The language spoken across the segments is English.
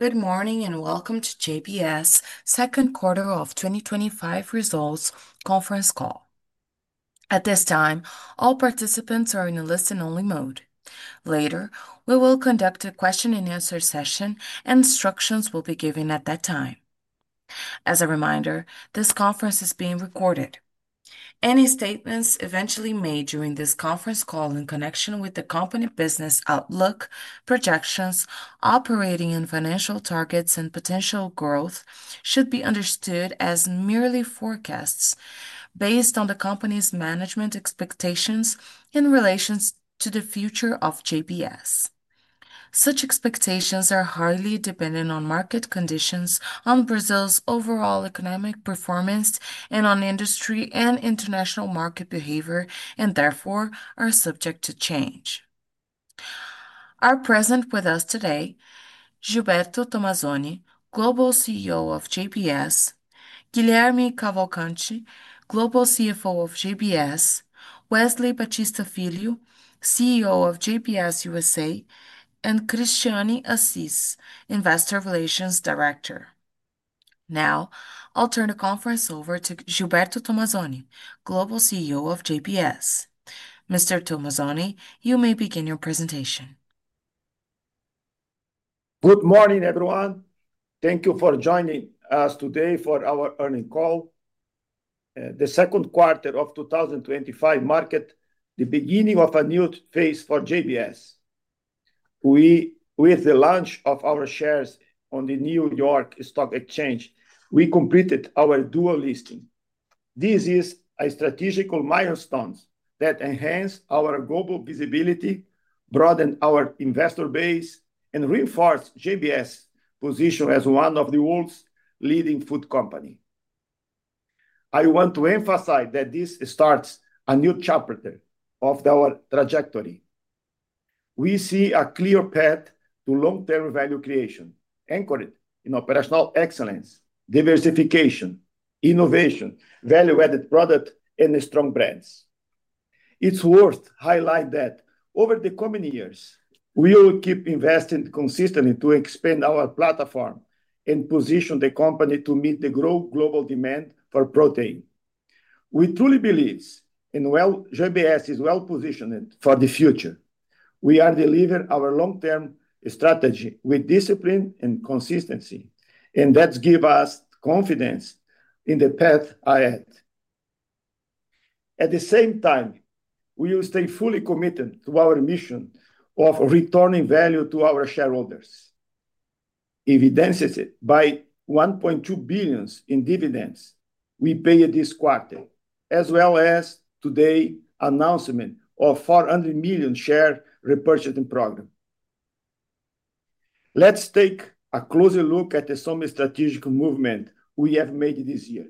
Good morning and welcome to JBS second quarter of 2025 results conference call. At this time, all participants are in a listen-only mode. Later, we will conduct a question-and-answer session, and instructions will be given at that time. As a reminder, this conference is being recorded. Any statements eventually made during this conference call in connection with the company business outlook, projections, operating and financial targets, and potential growth should be understood as merely forecasts based on the company's management expectations in relation to the future of JBS. Such expectations are highly dependent on market conditions, on Brazil's overall economic performance, and on industry and international market behavior, and therefore are subject to change. Are present with us today: Gilberto Tomazoni, Global CEO of JBS, Guilherme Cavalcanti, Global CFO of JBS, Wesley Batista Filho, CEO of JBS USA; and Christiane Assis, Investor Relations Director. Now, I'll turn the conference over to Gilberto Tomazoni, Global CEO of JBS Mr. Tomazoni, you may begin your presentation. Good morning, everyone. Thank you for joining us today for our earnings call. The second quarter of 2025 marks the beginning of a new phase for JBS. With the launch of our shares on the New York Stock Exchange, we completed our dual listing. This is a strategic milestone that enhances our global visibility, broadens our investor base, and reinforces JBS S.A.'s position as one of the world's leading food companies. I want to emphasize that this starts a new chapter of our trajectory. We see a clear path to long-term value creation, anchored in operational excellence, diversification, innovation, value-added products, and strong brands. It's worth highlighting that over the coming years, we will keep investing consistently to expand our platform and position the company to meet the growing global demand for protein. We truly believe JBS is well-positioned for the future. We are delivering our long-term strategy with discipline and consistency, and that gives us confidence in the path ahead. At the same time, we will stay fully committed to our mission of returning value to our shareholders, evidenced by $1.2 billion in dividends we paid this quarter, as well as today's announcement of a $400 million share repurchase program. Let's take a closer look at some strategic movements we have made this year.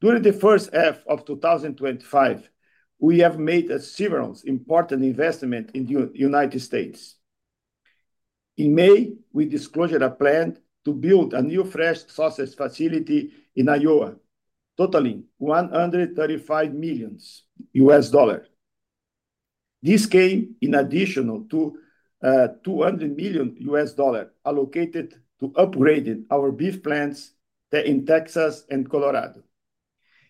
During the first half of 2025, we have made several important investments in the United States. In May, we disclosed a plan to build a new fresh sausage facility in Iowa, totaling $135 million. This came in addition to $200 million allocated to upgrading our beef plants in Texas and Colorado,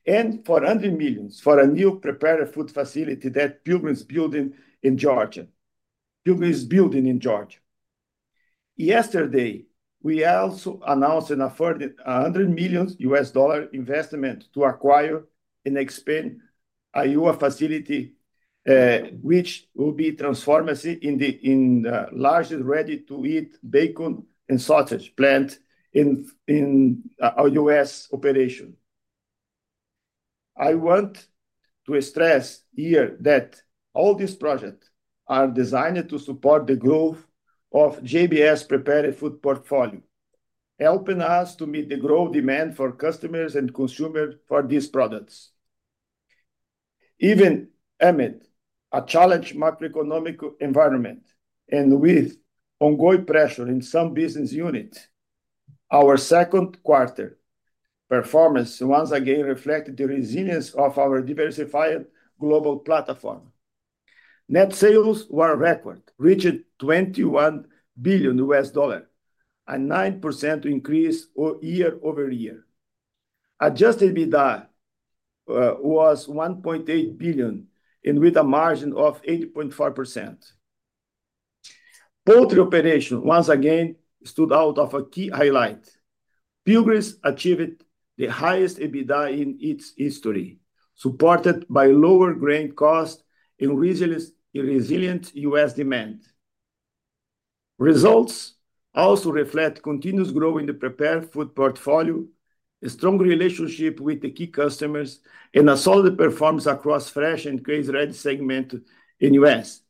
and $400 million for a new prepared foods facility that Pilgrim's is building in Georgia. Yesterday, we also announced a $100 million investment to acquire and expand the Iowa facility, which will be transformed into the largest ready-to-eat bacon and sausage plant in our U.S. operation. I want to stress here that all these projects are designed to support the growth of JBS prepared foods portfolio, helping us to meet the growing demand from customers and consumers for these products. Even amid a challenging macroeconomic environment and with ongoing pressure in some business units, our second quarter's performance once again reflects the resilience of our diversified global platform. Net sales were record, reaching $21 billion, a 9% increase year-over-year. Adjusted EBITDA was $1.8 billion, with a margin of 8.4%. Poultry operations once again stood out as a key highlight. Pilgrim's achieved the highest EBITDA in its history, supported by lower grain costs and resilient U.S. demand. Results also reflect continuous growth in the prepared foods portfolio, a strong relationship with the key customers, and a solid performance across fresh and ready-to-cook segments in the U.S.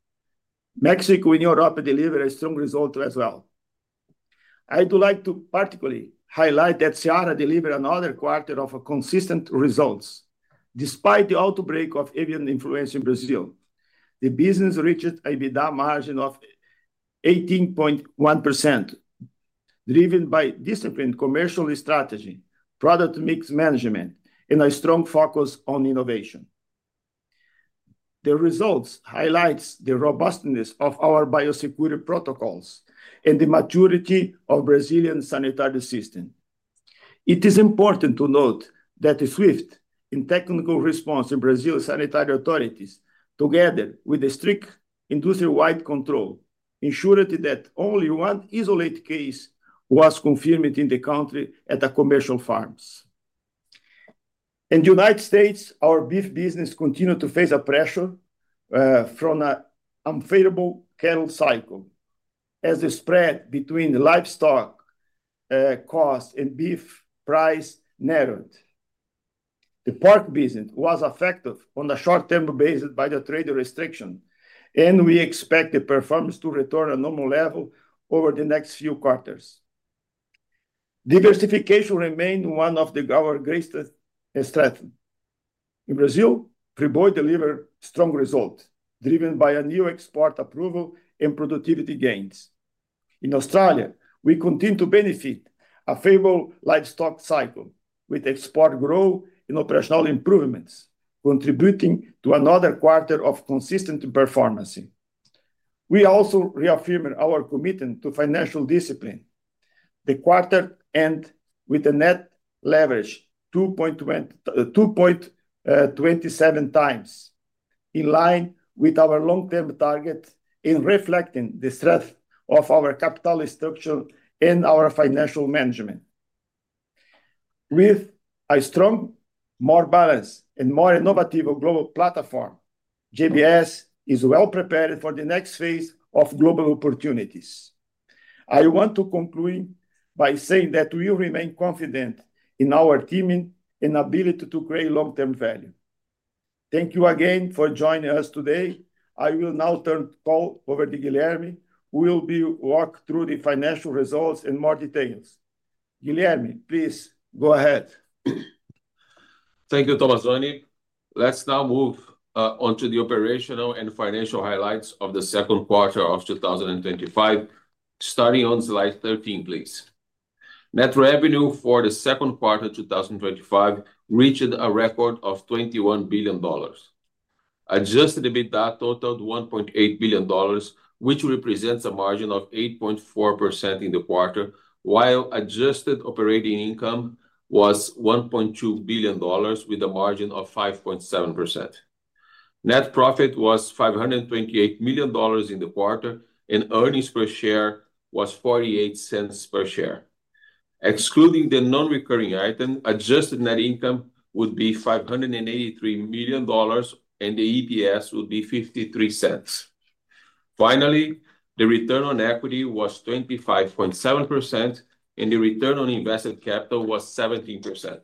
Mexico and Europe delivered strong results as well. I'd like to particularly highlight that Seara delivered another quarter of consistent results. Despite the outbreak of avian influenza in Brazil, the business reached an EBITDA margin of 18.1%, driven by disciplined commercial strategy, product mix management, and a strong focus on innovation. The results highlight the robustness of our biosecurity protocols and the maturity of the Brazilian sanitary system. It is important to note that the swift and technical response from Brazil's sanitary authorities, together with the strict industry-wide control, ensured that only one isolated case was confirmed in the country at a commercial farm. In the United States, our beef business continued to face pressure from an unfavorable cattle cycle, as the spread between livestock costs and beef prices narrowed. The pork business was affected on a short-term basis by the trade restrictions, and we expect the performance to return to a normal level over the next few quarters. Diversification remains one of our greatest strengths. In Brazil, Seara delivered strong results, driven by a new export approval and productivity gains. In Australia, we continue to benefit from a favorable livestock cycle, with export growth and operational improvements contributing to another quarter of consistent performance. We also reaffirmed our commitment to financial discipline. The quarter ended with a net leverage of 2.27x, in line with our long-term targets and reflecting the strength of our capital structure and our financial management. With a strong, more balanced, and more innovative global platform, JBS is well prepared for the next phase of global opportunities. I want to conclude by saying that we remain confident in our team and ability to create long-term value. Thank you again for joining us today. I will now turn the call over to Guilherme, who will walk through the financial results in more detail. Guilherme, please go ahead. Thank you, Tomazoni. Let's now move on to the operational and financial highlights of the second quarter of 2025. Starting on slide 13, please. Net revenue for the second quarter of 2025 reached a record of $21 billion. Adjusted EBITDA totaled $1.8 billion, which represents a margin of 8.4% in the quarter, while adjusted operating income was $1.2 billion, with a margin of 5.7%. Net profit was $528 million in the quarter, and earnings per share was $0.48 per share. Excluding the non-recurring items, adjusted net income would be $583 million, and the EPS would be $0.53. Finally, the return on equity was 25.7%, and the return on invested capital was 17%.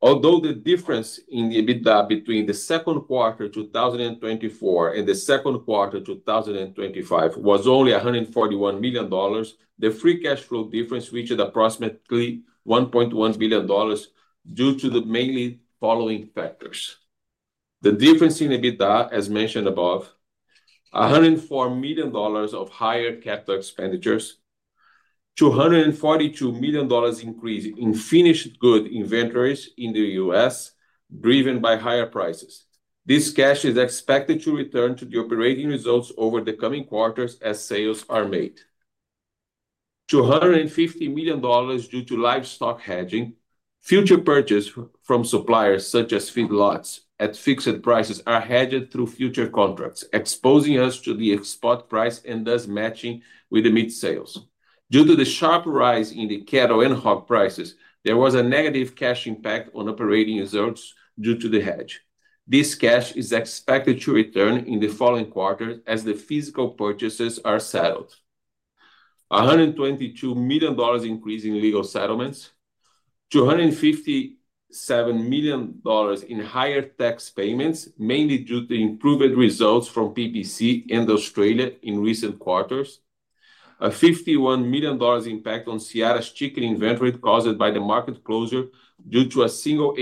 Although the difference in the EBITDA between the second quarter of 2024 and the second quarter of 2025 was only $141 million, the free cash flow difference reached approximately $1.1 billion due to the mainly following factors: the difference in EBITDA, as mentioned above, $104 million of higher capital expenditures, a $242 million increase in finished goods inventories in the U.S., driven by higher prices. This cash is expected to return to the operating results over the coming quarters as sales are made. $250 million due to livestock hedging. Future purchases from suppliers such as feedlots at fixed prices are hedged through future contracts, exposing us to the spot price and thus matching with the meat sales. Due to the sharp rise in the cattle and hog prices, there was a negative cash impact on operating results due to the hedge. This cash is expected to return in the following quarters as the physical purchases are settled. A $122 million increase in legal settlements, $257 million in higher tax payments, mainly due to improved results from PPC and Australia in recent quarters, a $51 million impact on Seara's chicken inventory caused by the market closure due to a single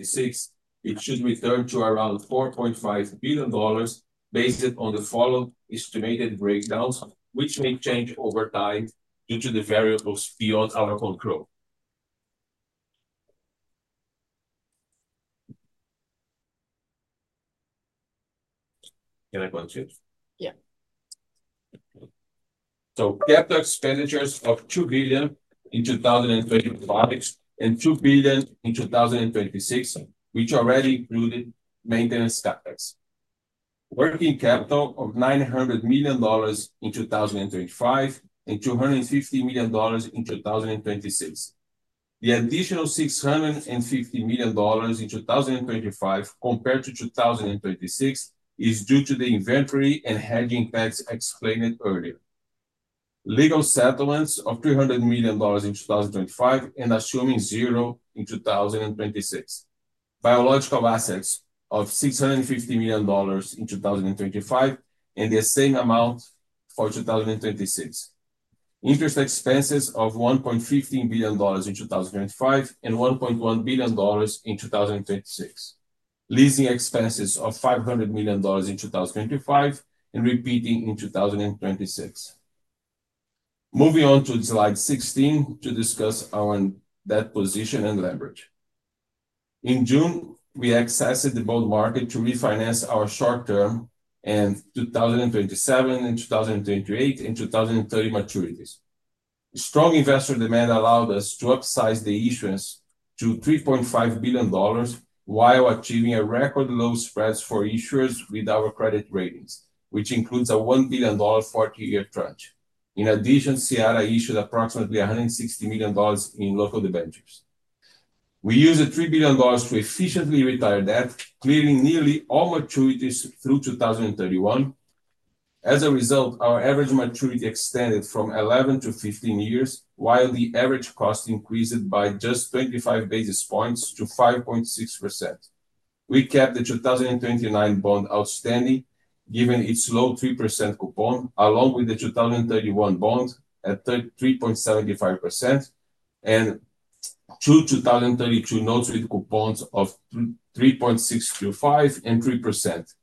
avian influenza incident. It should return to around $4.5 billion based on the following estimated breakdowns, which may change over time due to the variables beyond our control. Can I punch it? Yeah. Capital expenditures of $2 billion in 2025 and $2 billion in 2026, which already included maintenance capital. Working capital of $900 million in 2025 and $250 million in 2026. The additional $650 million in 2025 compared to 2026 is due to the inventory and hedging impacts explained earlier. Legal settlements of $300 million in 2025 and assuming zero in 2026. Biological assets of $650 million in 2025 and the same amount for 2026. Interest expenses of $1.15 billion in 2025 and $1.1 billion in 2026. Leasing expenses of $500 million in 2025 and repeating in 2026. Moving on to slide 16 to discuss our net position and leverage. In June, we accessed the bull market to refinance our short-term and 2027, 2028, and 2030 maturities. Strong investor demand allowed us to upsize the issuance to $3.5 billion while achieving record low spreads for issuers with our credit ratings, which includes a $1 billion forty-year tranche. In addition, JBS issued approximately $160 million in local debentures. We used $3 billion to efficiently retire that, clearing nearly all maturities through 2031. As a result, our average maturity extended from 11-15 years, while the average cost increased by just 25 basis points to 5.6%. We kept the 2029 bond outstanding, given its low 3% coupon, along with the 2031 bond at 3.75% and two 2032 notes with coupons of 3.625% and 3%.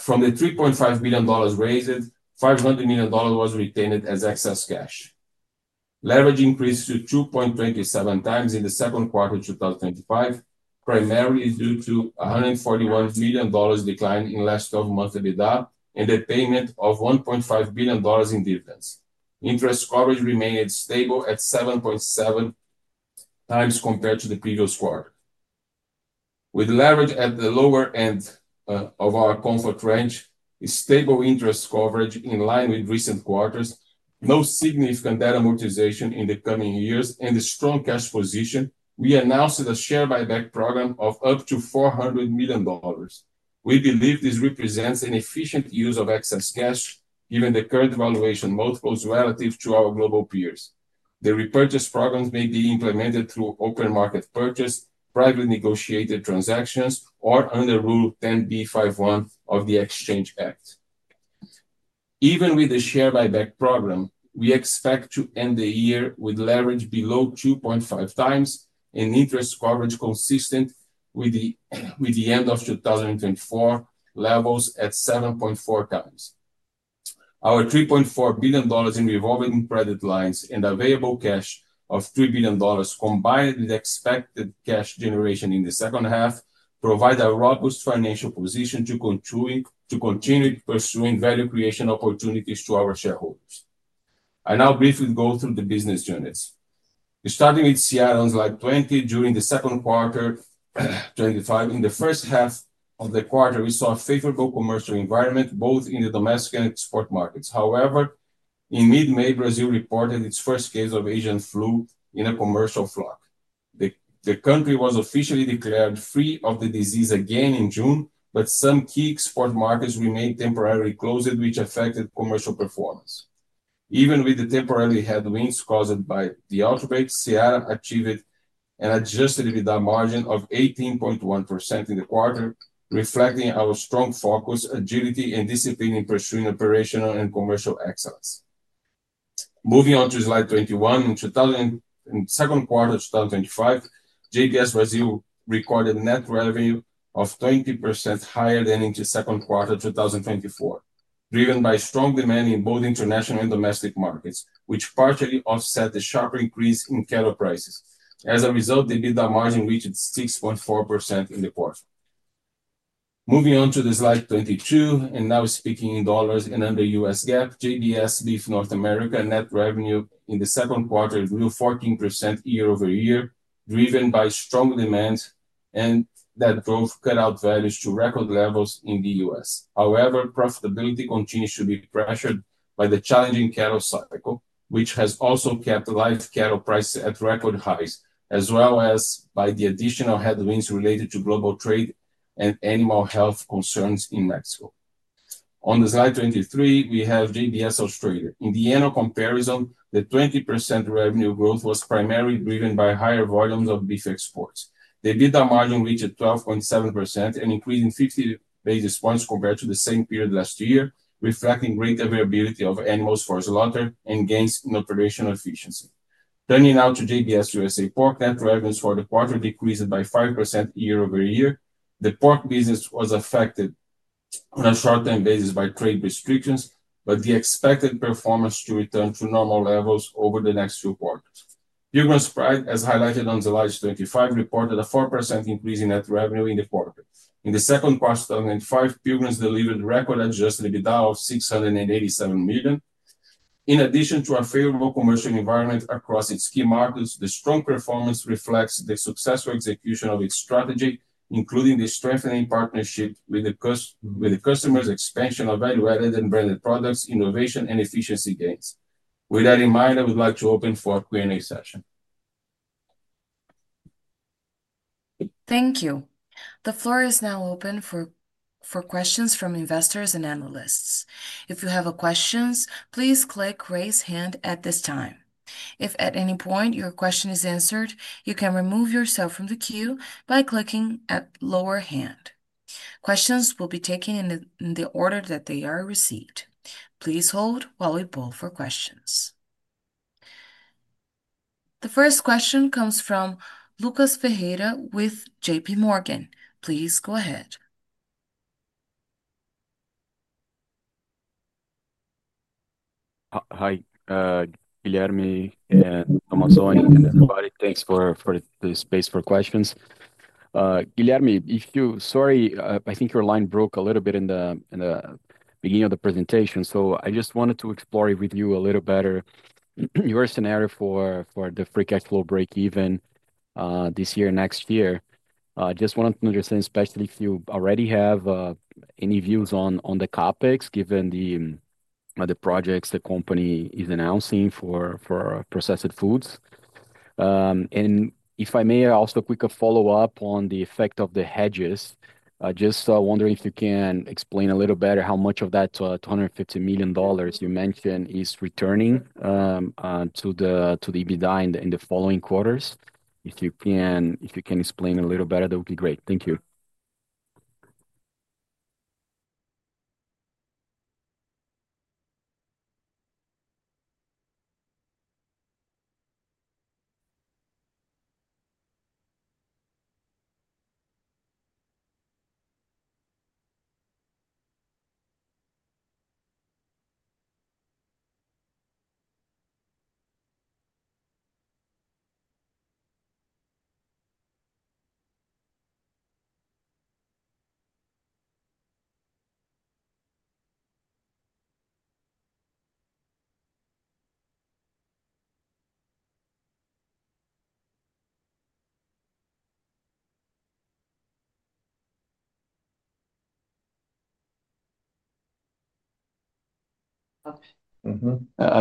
From the $3.5 billion raised, $500 million was retained as excess cash. Leverage increased to 2.27x in the second quarter of 2025, primarily due to a $141 million decline in the last 12 months EBITDA and the payment of $1.5 billion in dividends. Interest coverage remained stable at 7.7x compared to the previous quarter. With leverage at the lower end of our comfort range, stable interest coverage in line with recent quarters, no significant debt amortization in the coming years, and a strong cash position, we announced a share buyback program of up to $400 million. We believe this represents an efficient use of excess cash, given the current valuation multiples relative to our global peers. The repurchase programs may be implemented through open market purchase, privately negotiated transactions, or under Rule 10b5-1 of the Exchange Act. Even with the share buyback program, we expect to end the year with leverage below 2.5x and interest coverage consistent with the end of 2024 levels at 7.4x. Our $3.4 billion in revolving credit lines and available cash of $3 billion, combined with expected cash generation in the second half, provide a robust financial position to continue pursuing value creation opportunities to our shareholders. I'll now briefly go through the business units. Starting with Seara on slide 20, during the second quarter of 2025, in the first half of the quarter, we saw a favorable commercial environment both in the domestic and export markets. However, in mid-May, Brazil reported its first case of avian influenza in a commercial flock. The country was officially declared free of the disease again in June, but some key export markets remained temporarily closed, which affected commercial performance. Even with the temporary headwinds caused by the outbreak, Seara achieved an adjusted EBITDA margin of 18.1% in the quarter, reflecting our strong focus, agility, and discipline in pursuing operational and commercial excellence. Moving on to slide 21, in the second quarter of 2025, JBS Brazil recorded a net revenue 20% higher than in the second quarter of 2024, driven by strong demand in both international and domestic markets, which partially offset the sharp increase in cattle prices. As a result, the EBITDA margin reached 6.4% in the quarter. Moving on to slide 22, and now speaking in dollars and on the U.S. GAAP, JBS Beef North America net revenue in the second quarter grew 14% year-over-year, driven by strong demand and those cutout values to record levels in the U.S. However, profitability continues to be pressured by the challenging cattle cycle, which has also kept live cattle prices at record highs, as well as by the additional headwinds related to global trade and animal health concerns in Mexico. On slide 23, we have JBS Australia. In the annual comparison, the 20% revenue growth was primarily driven by higher volumes of beef exports. The EBITDA margin reached 12.7% and increased 50 basis points compared to the same period last year, reflecting greater availability of animals for slaughter and gains in operational efficiency. Turning now to JBS USA, pork net revenues for the quarter decreased by 5% year-over-year. The pork business was affected on a short-term basis by trade restrictions, but the expected performance to return to normal levels over the next two quarters. Pilgrim's Pride, as highlighted on slide 25, reported a 4% increase in net revenue in the quarter. In the second quarter of 2025, Pilgrim's delivered a record adjusted EBITDA of $687 million. In addition to a favorable commercial environment across its key markets, the strong performance reflects the successful execution of its strategy, including the strengthening partnership with the customers, expansion of value-added and branded products, innovation, and efficiency gains. With that in mind, I would like to open for a Q&A session. Thank you. The floor is now open for questions from investors and analysts. If you have questions, please click "Raise Hand" at this time. If at any point your question is answered, you can remove yourself from the queue by clicking the lower hand. Questions will be taken in the order that they are received. Please hold while we poll for questions. The first question comes from Lucas Ferreira with JPMorgan. Please go ahead. Hi, Guilherme, Tomazoni, and everybody. Thanks for the space for questions. Guilherme, if you—sorry, I think your line broke a little bit in the beginning of the presentation. I just wanted to explore with you a little better your scenario for the free cash flow break-even this year and next year. I just wanted to understand, especially if you already have any views on the CapEx, given the projects the company is announcing for processed foods. If I may, also a quick follow-up on the effect of the hedges. I just wonder if you can explain a little better how much of that $250 million you mentioned is returning to the EBITDA in the following quarters. If you can explain a little better, that would be great. Thank you.N Hello,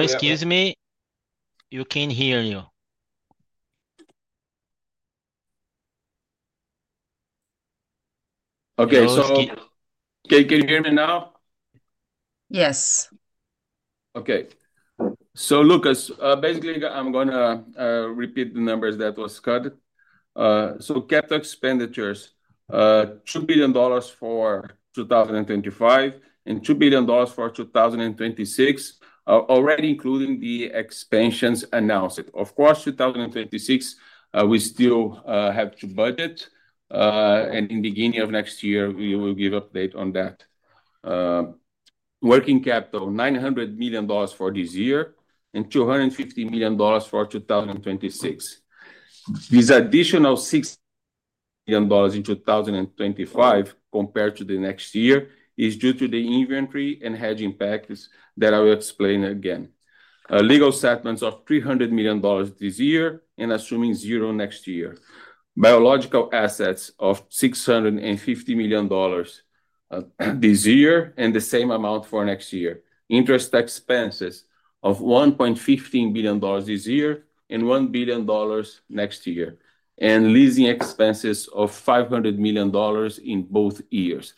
excuse me, I can't hear you. Okay, can you hear me now? Yes. Okay. So, Lucas, basically, I'm going to repeat the numbers that were cut. Capital expenditures, $2 billion for 2025 and $2 billion for 2026, already including the expansions announced. Of course, 2026, we still have to budget, and in the beginning of next year, we will give an update on that. Working capital, $900 million for this year and $250 million for 2026. This additional $6 million in 2025 compared to the next year is due to the inventory and hedging impacts that I will explain again. Legal settlements of $300 million this year and assuming zero next year. Biological assets of $650 million this year and the same amount for next year. Interest expenses of $1.15 billion this year and $1 billion next year. Leasing expenses of $500 million in both years.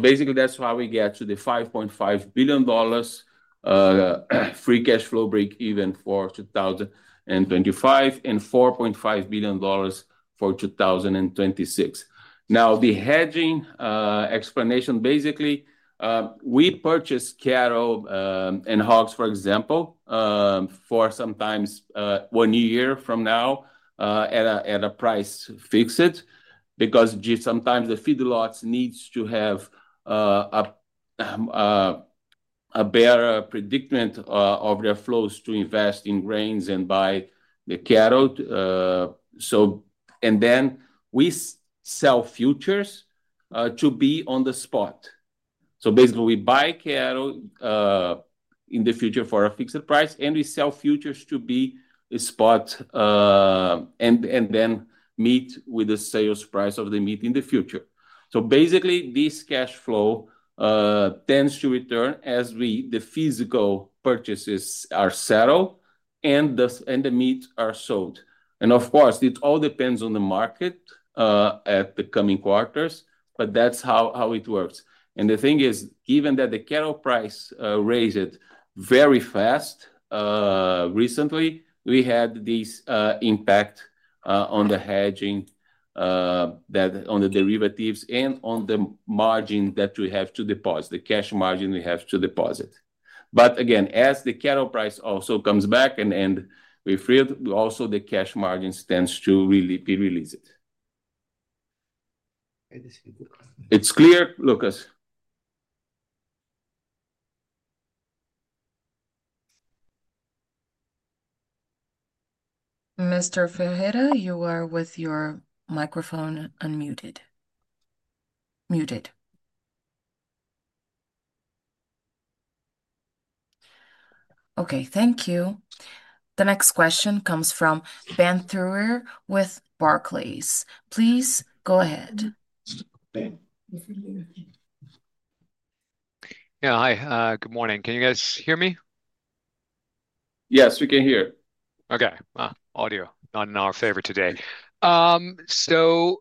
Basically, that's how we get to the $5.5 billion free cash flow break-even for 2025 and $4.5 billion for 2026. Now, the hedging explanation, basically, we purchase cattle and hogs, for example, for sometimes one year from now at a price fixed because sometimes the feedlots need to have a better predicament of their flows to invest in grains and buy the cattle. Then we sell futures to be on the spot. Basically, we buy cattle in the future for a fixed price and we sell futures to be a spot and then meet with the sales price of the meat in the future. This cash flow tends to return as the physical purchases are settled and the meats are sold. Of course, it all depends on the market at the coming quarters, but that's how it works. The thing is, given that the cattle price raised very fast recently, we had this impact on the hedging, on the derivatives, and on the margin that we have to deposit, the cash margin we have to deposit. Again, as the cattle price also comes back and we freeze, also the cash margin tends to be released. It's clear, Lucas. Thank you. The next question comes from Ben Theurer with Barclays. Please go ahead. Yeah, hi. Good morning. Can you guys hear me? Yes, we can hear. Okay. Audio not in our favor today. Two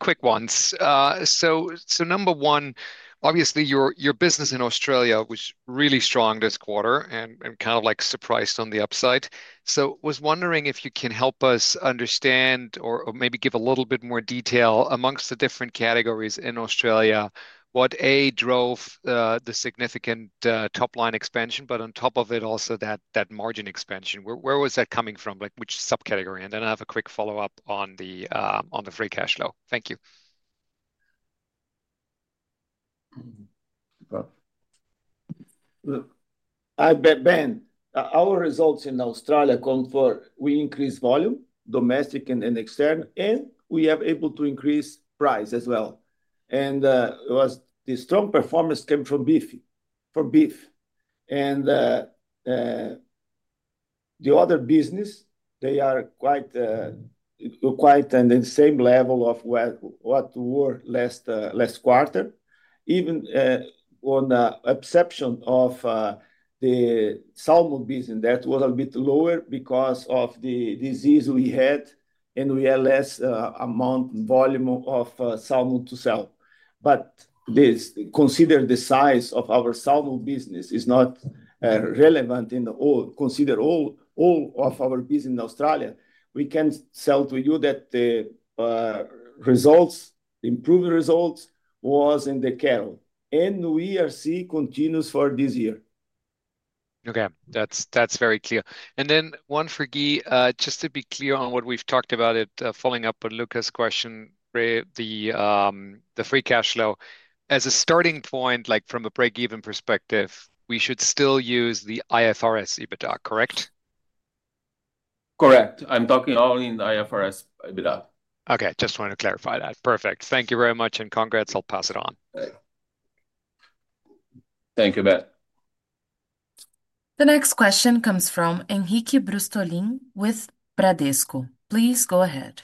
quick ones. Number one, obviously, your business in Australia was really strong this quarter and kind of surprised on the upside. I was wondering if you can help us understand or maybe give a little bit more detail amongst the different categories in Australia, what drove the significant top-line expansion, but on top of it also that margin expansion. Where was that coming from? Which subcategory? I have a quick follow-up on the free cash flow. Thank you. Our results in Australia confirmed we increased volume, domestic and external, and we are able to increase price as well. It was the strong performance came from beef. The other business, they are quite on the same level of what were last quarter, even on the exception of the salmon business that was a bit lower because of the disease we had and we had less amount and volume of salmon to sell. Considering the size of our salmon business is not relevant in all, consider all of our business in Australia, we can tell you that the results, improved results, were in the cattle. We are seeing continues for this year. Okay, that's very clear. One for Guy, just to be clear on what we've talked about following up on Lucas' question, the free cash flow. As a starting point, from a break-even perspective, we should still use the IFRS EBITDA, correct? Correct. I'm talking only in IFRS EBITDA. Okay, just wanted to clarify that. Perfect. Thank you very much and congrats. I'll pass it on. Thank you, Ben. The next question comes from Henrique Brustolin with Bradesco. Please go ahead.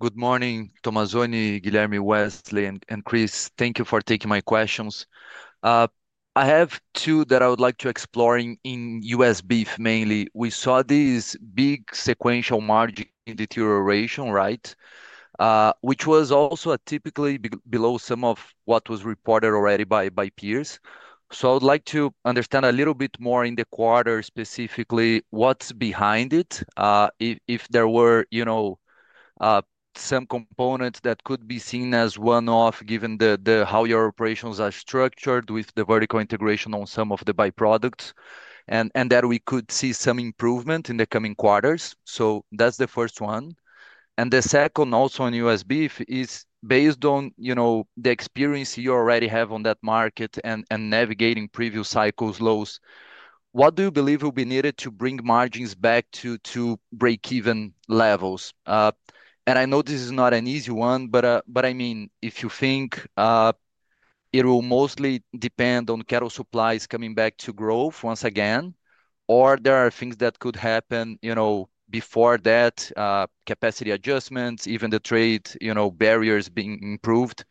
Good morning, Tomazoni, Guilherme, Wesley, and Chris. Thank you for taking my questions. I have two that I would like to explore in U.S. beef mainly. We saw this big sequential margin deterioration, right? Which was also typically below some of what was reported already by peers. I would like to understand a little bit more in the quarter specifically what's behind it, if there were some components that could be seen as one-off given how your operations are structured with the vertical integration on some of the byproducts, and that we could see some improvement in the coming quarters. That's the first one. The second also in U.S. beef is based on the experience you already have on that market and navigating previous cycles' lows. What do you believe will be needed to bring margins back to break-even levels? I know this is not an easy one, but if you think it will mostly depend on cattle supplies coming back to growth once again, or there are things that could happen before that, capacity adjustments, even the trade barriers being improved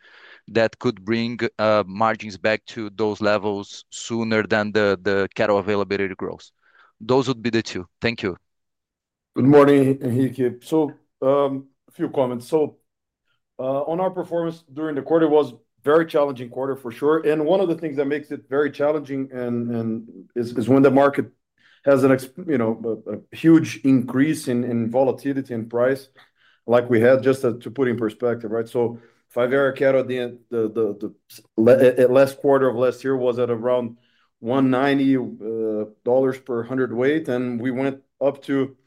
that could bring margins back to those levels sooner than the cattle availability growth. Those would be the two. Thank you. Good morning, Enrique. A few comments. On our performance during the quarter, it was a very challenging quarter for sure. One of the things that makes it very challenging is when the market has a huge increase in volatility and price, like we had. Just to put it in perspective, five-year cattle at the end of the last quarter of last year was at around $190 per hundredweight, and we went up to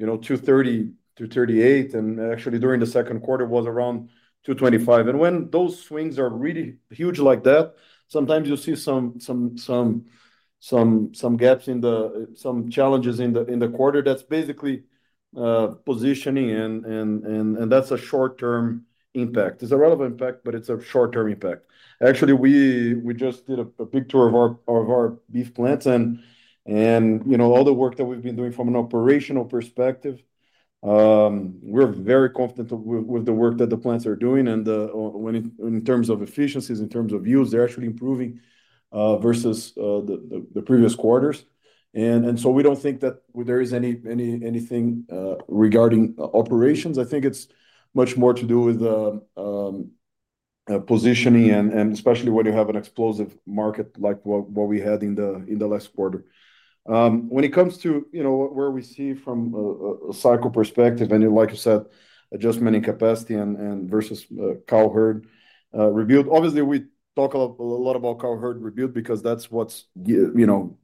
$230, $238, and actually during the second quarter was around $225. When those swings are really huge like that, sometimes you see some gaps in the, some challenges in the quarter that's basically positioning, and that's a short-term impact. It's a relevant impact, but it's a short-term impact. Actually, we just did a big tour of our beef plants, and all the work that we've been doing from an operational perspective, we're very confident with the work that the plants are doing. When in terms of efficiencies, in terms of use, they're actually improving versus the previous quarters. We don't think that there is anything regarding operations. I think it's much more to do with positioning, and especially when you have an explosive market like what we had in the last quarter. When it comes to where we see from a cycle perspective, and like you said, adjustment in capacity versus cow herd rebuild, obviously we talk a lot about cow herd rebuild because that's what we know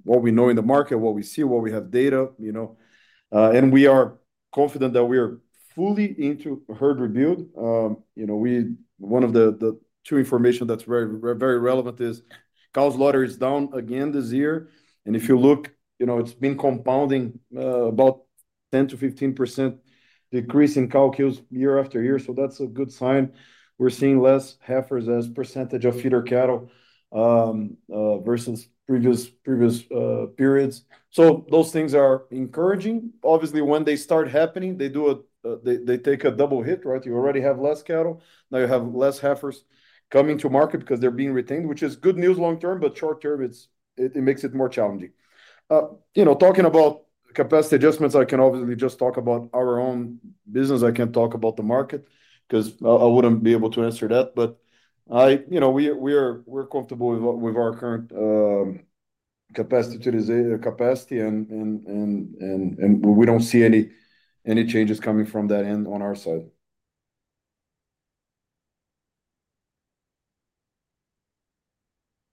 in the market, what we see, what we have data, and we are confident that we are fully into herd rebuild. One of the two information that's very, very relevant is cow slaughter is down again this year. If you look, it's been compounding, about 10%-15% decrease in cow kills year after year. That's a good sign. We're seeing less heifers, less percentage of feeder cattle versus previous periods. Those things are encouraging. Obviously, when they start happening, they take a double hit, right? You already have less cattle. Now you have less heifers coming to market because they're being retained, which is good news long term, but short term, it makes it more challenging. Talking about capacity adjustments, I can obviously just talk about our own business. I can't talk about the market because I wouldn't be able to answer that. We are comfortable with our current capacity, and we don't see any changes coming from that end on our side.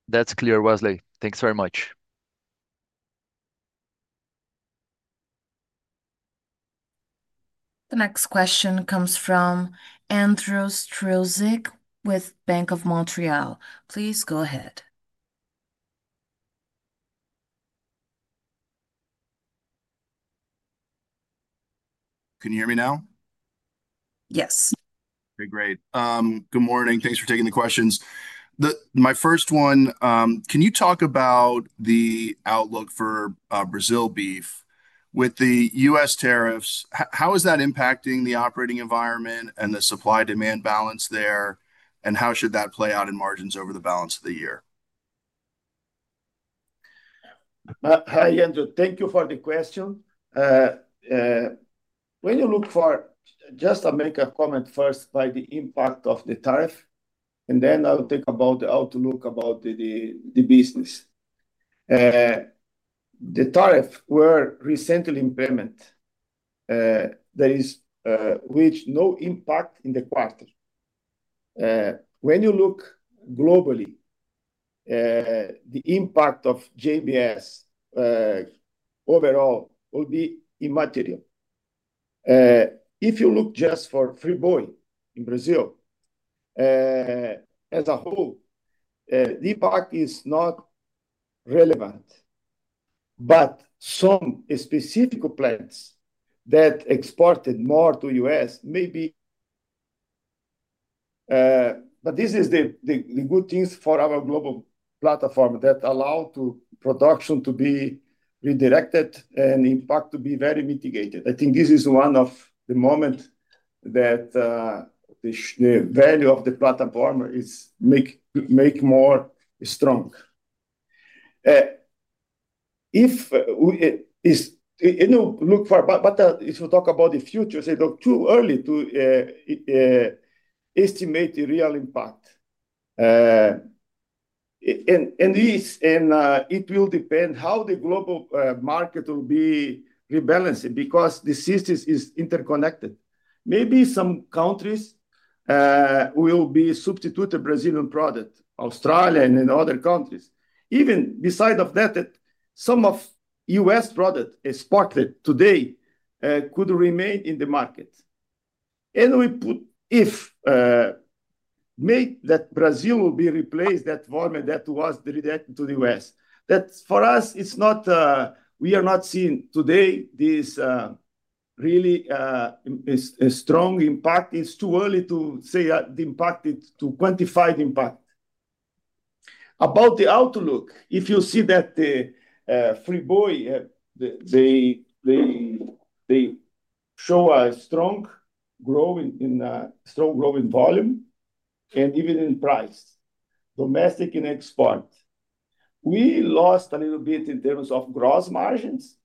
That's clear, Wesley. Thanks very much. The next question comes from Andrew Strelzik with Bank of Montreal. Please go ahead. Can you hear me now? Yes. Okay, great. Good morning. Thanks for taking the questions. My first one, can you talk about the outlook for Brazil beef? With the U.S. tariffs, how is that impacting the operating environment and the supply-demand balance there, and how should that play out in margins over the balance of the year? Hi, Andrew. Thank you for the question. When you look for, just to make a comment first by the impact of the tariff, and then I'll talk about how to look about the business. The tariffs were recently implemented, which had no impact in the quarter. When you look globally, the impact of JBS overall would be immaterial. If you look just for Friboi in Brazil as a whole, the impact is not relevant, but some specific plants that exported more to the U.S. may be. This is the good thing for our global platform that allows production to be redirected and impact to be very mitigated. I think this is one of the moments that the value of the platform is making more strong. If you look for, but if you talk about the future, it's too early to estimate the real impact. It will depend how the global market will be rebalanced because the system is interconnected. Maybe some countries will be substituting Brazilian products, Australia, and in other countries. Even besides that, some of the U.S. products exported today could remain in the market. We put, if made that Brazil will be replaced, that volume that was redirected to the U.S. For us, we're not seeing today this really strong impact. It's too early to say the impact, to quantify the impact. About the outlook, if you see that the Friboi, they show a strong growth in strong growing volume and even in price, domestic and export. We lost a little bit in terms of gross margins,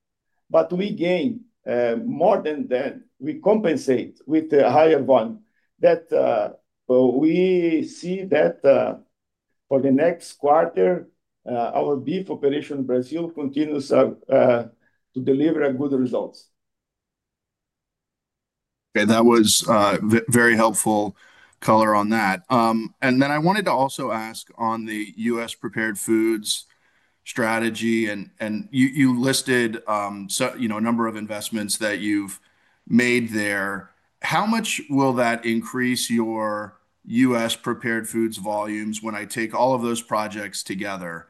but we gained more than that. We compensate with a higher volume. We see that for the next quarter, our beef operation in Brazil continues to deliver good results. Okay, that was very helpful color on that. I wanted to also ask on the U.S. prepared foods strategy, and you listed a number of investments that you've made there. How much will that increase your U.S. prepared foods volumes when I take all of those projects together?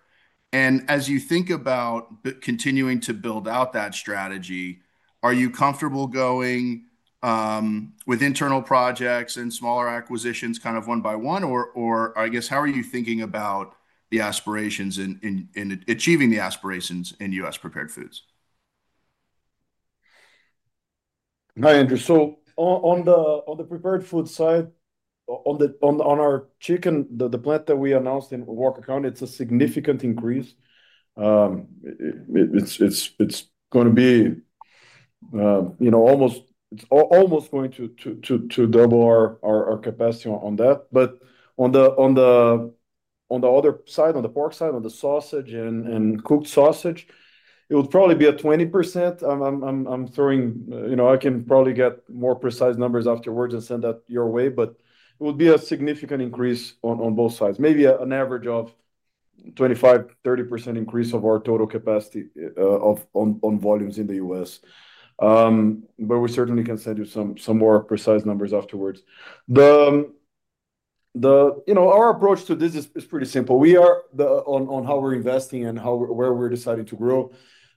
As you think about continuing to build out that strategy, are you comfortable going with internal projects and smaller acquisitions kind of one by one, or I guess how are you thinking about the aspirations and achieving the aspirations in U.S. prepared foods? No, Andrew. On the prepared foods side, on our chicken, the plant that we announced in Walker County, it's a significant increase. It's going to be, you know, almost going to double our capacity on that. On the other side, on the pork side, on the sausage and cooked sausage, it would probably be a 20%. I can probably get more precise numbers afterwards and send that your way, but it would be a significant increase on both sides. Maybe an average of 25%, 30% increase of our total capacity on volumes in the U.S. We certainly can send you some more precise numbers afterwards. Our approach to this is pretty simple. On how we're investing and where we're deciding to grow,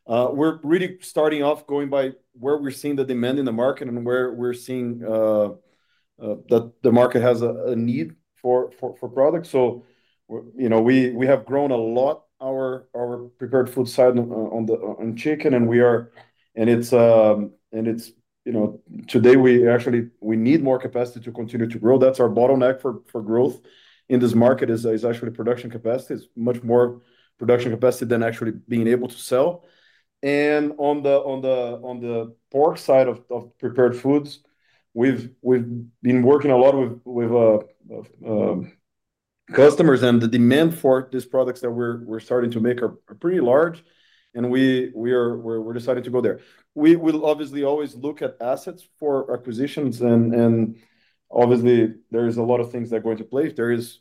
we're really starting off going by where we're seeing the demand in the market and where we're seeing that the market has a need for products. We have grown a lot on our prepared foods side on the chicken, and today we actually need more capacity to continue to grow. That's our bottleneck for growth in this market, it's actually production capacity. It's much more production capacity than actually being able to sell. On the pork side of prepared foods, we've been working a lot with customers, and the demand for these products that we're starting to make are pretty large, and we are deciding to go there. We will obviously always look at assets for acquisitions, and obviously there are a lot of things that are going to play if there is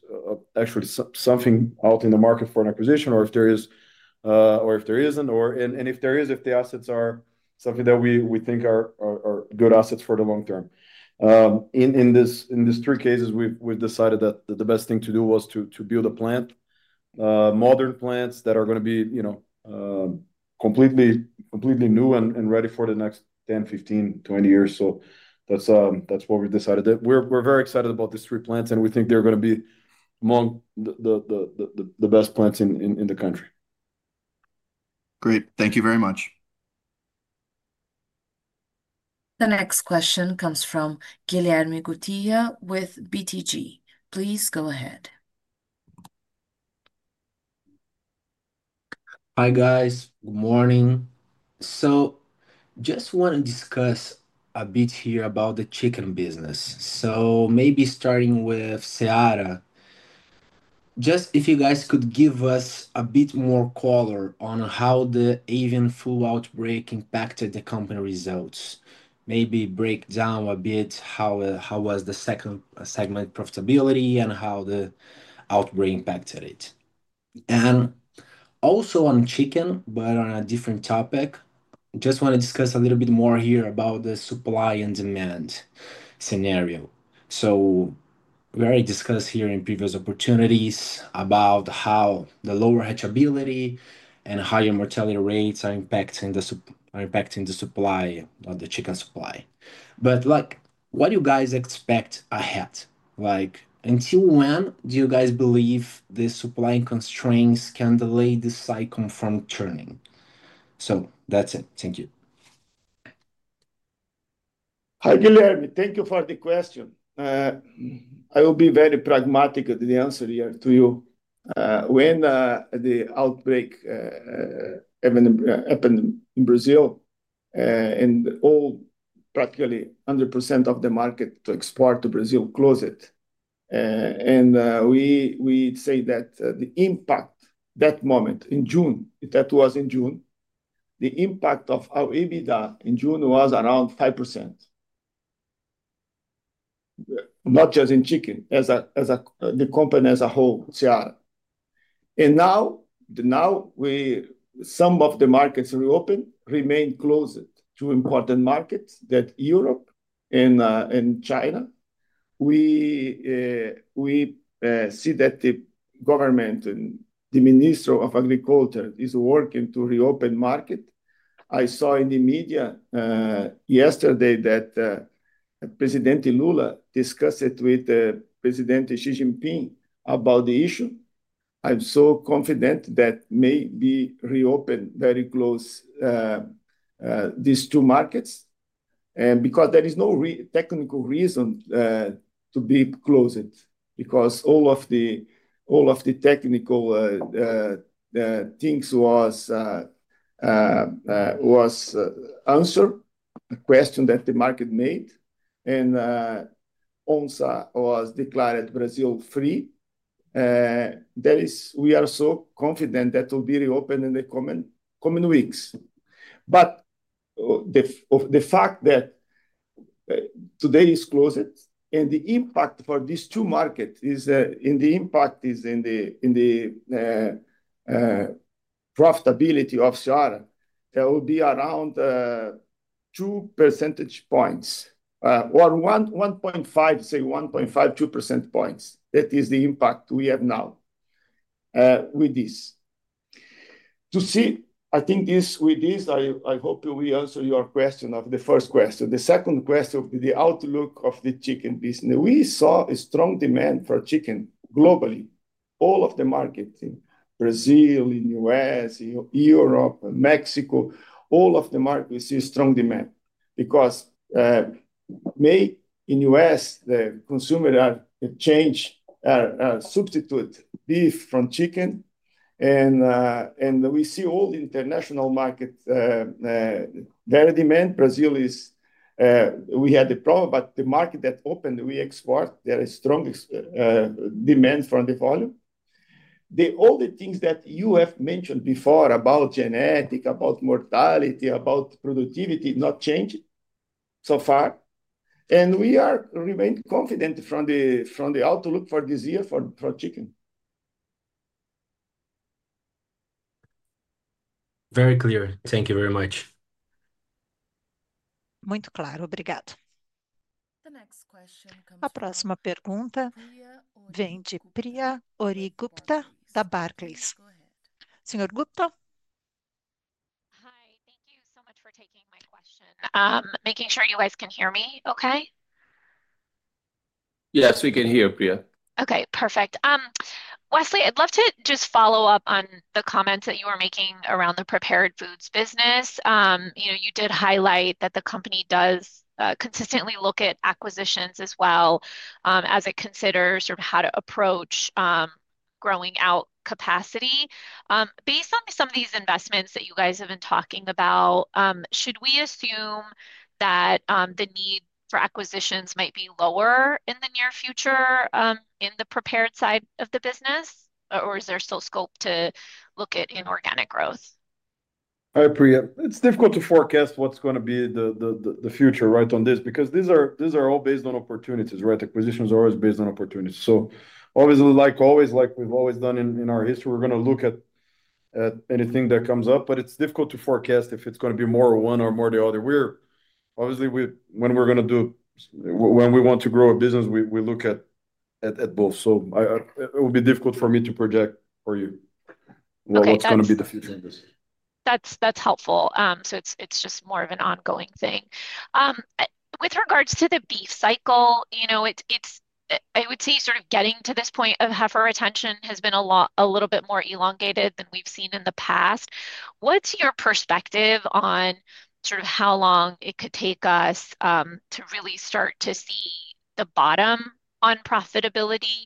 actually something out in the market for an acquisition, or if there isn't, and if there is, if the assets are something that we think are good assets for the long term. In these three cases, we've decided that the best thing to do was to build a plant, modern plants that are going to be completely new and ready for the next 10, 15, 20 years. That's what we've decided. We're very excited about these three plants, and we think they're going to be among the best plants in the country. Great. Thank you very much. The next question comes from Guilherme Guttilla with BTG. Please go ahead. Hi, guys. Good morning. I just want to discuss a bit here about the chicken business. Maybe starting with Seara, if you guys could give us a bit more color on how the avian influenza outbreak impacted the company results. Maybe break down a bit how was the segment profitability and how the outbreak impacted it. Also on chicken, but on a different topic, I just want to discuss a little bit more here about the supply and demand scenario. We already discussed here in previous opportunities about how the lower hedgeability and higher mortality rates are impacting the supply of the chicken supply. What do you guys expect ahead? Until when do you guys believe the supply and constraints can delay this cycle from turning? That's it. Thank you. Hi, Guilherme. Thank you for the question. I will be very pragmatic in the answer here to you. When the outbreak happened in Brazil and all, practically 100% of the market to export to Brazil closed, and we say that the impact that moment in June, that was in June, the impact of our EBITDA in June was around 5%. Not just in chicken, as a company as a whole, Seara. Now, some of the markets reopened, remained closed to important markets like Europe and China. We see that the government and the Ministry of Agriculture are working to reopen markets. I saw in the media yesterday that President Lula discussed it with President Xi Jinping about the issue. I'm so confident that maybe reopen very close these two markets. There is no technical reason to be closed, because all of the technical things were answered, a question that the market made, and OIE declared Brazil free. We are so confident that it will be reopened in the coming weeks. The fact that today is closed and the impact for these two markets is in the impact is in the profitability of Seara. That will be around 2 percentage points or 1.5, say 1.5, 2 percentage points. That is the impact we have now with this. I think this with this, I hope we answered your question of the first question. The second question would be the outlook of the chicken business. We saw a strong demand for chicken globally. All of the markets in Brazil, in the U.S., Europe, Mexico, all of the markets see strong demand because in the U.S., the consumer are changed or substituted beef from chicken. We see all the international markets very demanding. Brazil is, we had a problem, but the market that opened, we export, there is strong demand from the volume. All the things that you have mentioned before about genetics, about mortality, about productivity not changing so far. We remain confident from the outlook for this year for chicken. Very clear. Thank you very much. Barclays. Priya Gupta? Hi, thank you so much for taking my question. Making sure you guys can hear me okay? Yes, we can hear you, Priya. Okay, perfect. Wesley, I'd love to just follow up on the comments that you were making around the prepared foods business. You did highlight that the company does consistently look at acquisitions as well as it considers sort of how to approach growing out capacity. Based on some of these investments that you guys have been talking about, should we assume that the need for acquisitions might be lower in the near future in the prepared side of the business, or is there still scope to look at inorganic growth? Hi, Priya. It's difficult to forecast what's going to be the future on this because these are all based on opportunities. Acquisitions are always based on opportunities. Obviously, like we've always done in our history, we're going to look at anything that comes up, but it's difficult to forecast if it's going to be more one or more the other. Obviously, when we want to grow a business, we look at both. It will be difficult for me to project for you what's going to be the future in this. That's helpful. It's just more of an ongoing thing. With regards to the beef cycle, I would say sort of getting to this point of heifer retention has been a little bit more elongated than we've seen in the past. What's your perspective on how long it could take us to really start to see the bottom on profitability?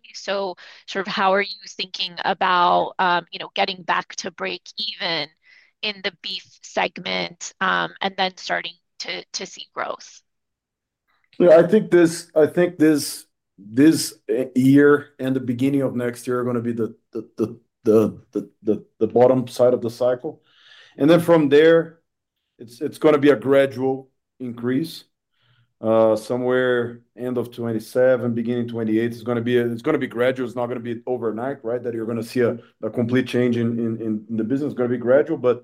How are you thinking about getting back to break even in the beef segment and then starting to see growth? Yeah, I think this year and the beginning of next year are going to be the bottom side of the cycle. From there, it's going to be a gradual increase. Somewhere end of 2027, beginning 2028, it's going to be gradual. It's not going to be overnight, right, that you're going to see a complete change in the business. It's going to be gradual.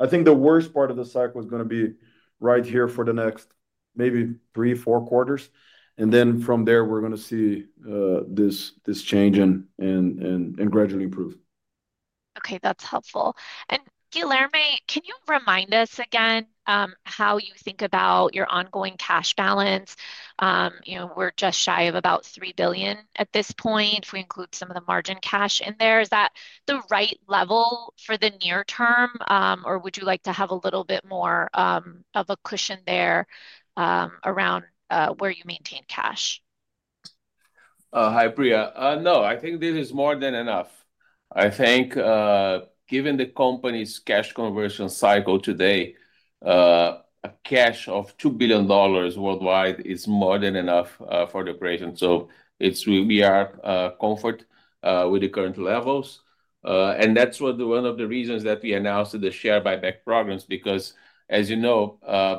I think the worst part of the cycle is going to be right here for the next maybe three, four quarters. From there, we're going to see this change and gradually improve. Okay, that's helpful. Guilherme, can you remind us again how you think about your ongoing cash balance? You know, we're just shy of about $3 billion at this point if we include some of the margin cash in there. Is that the right level for the near term, or would you like to have a little bit more of a cushion there around where you maintain cash? Hi, Priya. No, I think this is more than enough. I think given the company's cash conversion cycle today, a cash of $2 billion worldwide is more than enough for the operation. We are comforted with the current levels. That's one of the reasons that we announced the share buyback programs because, as you know,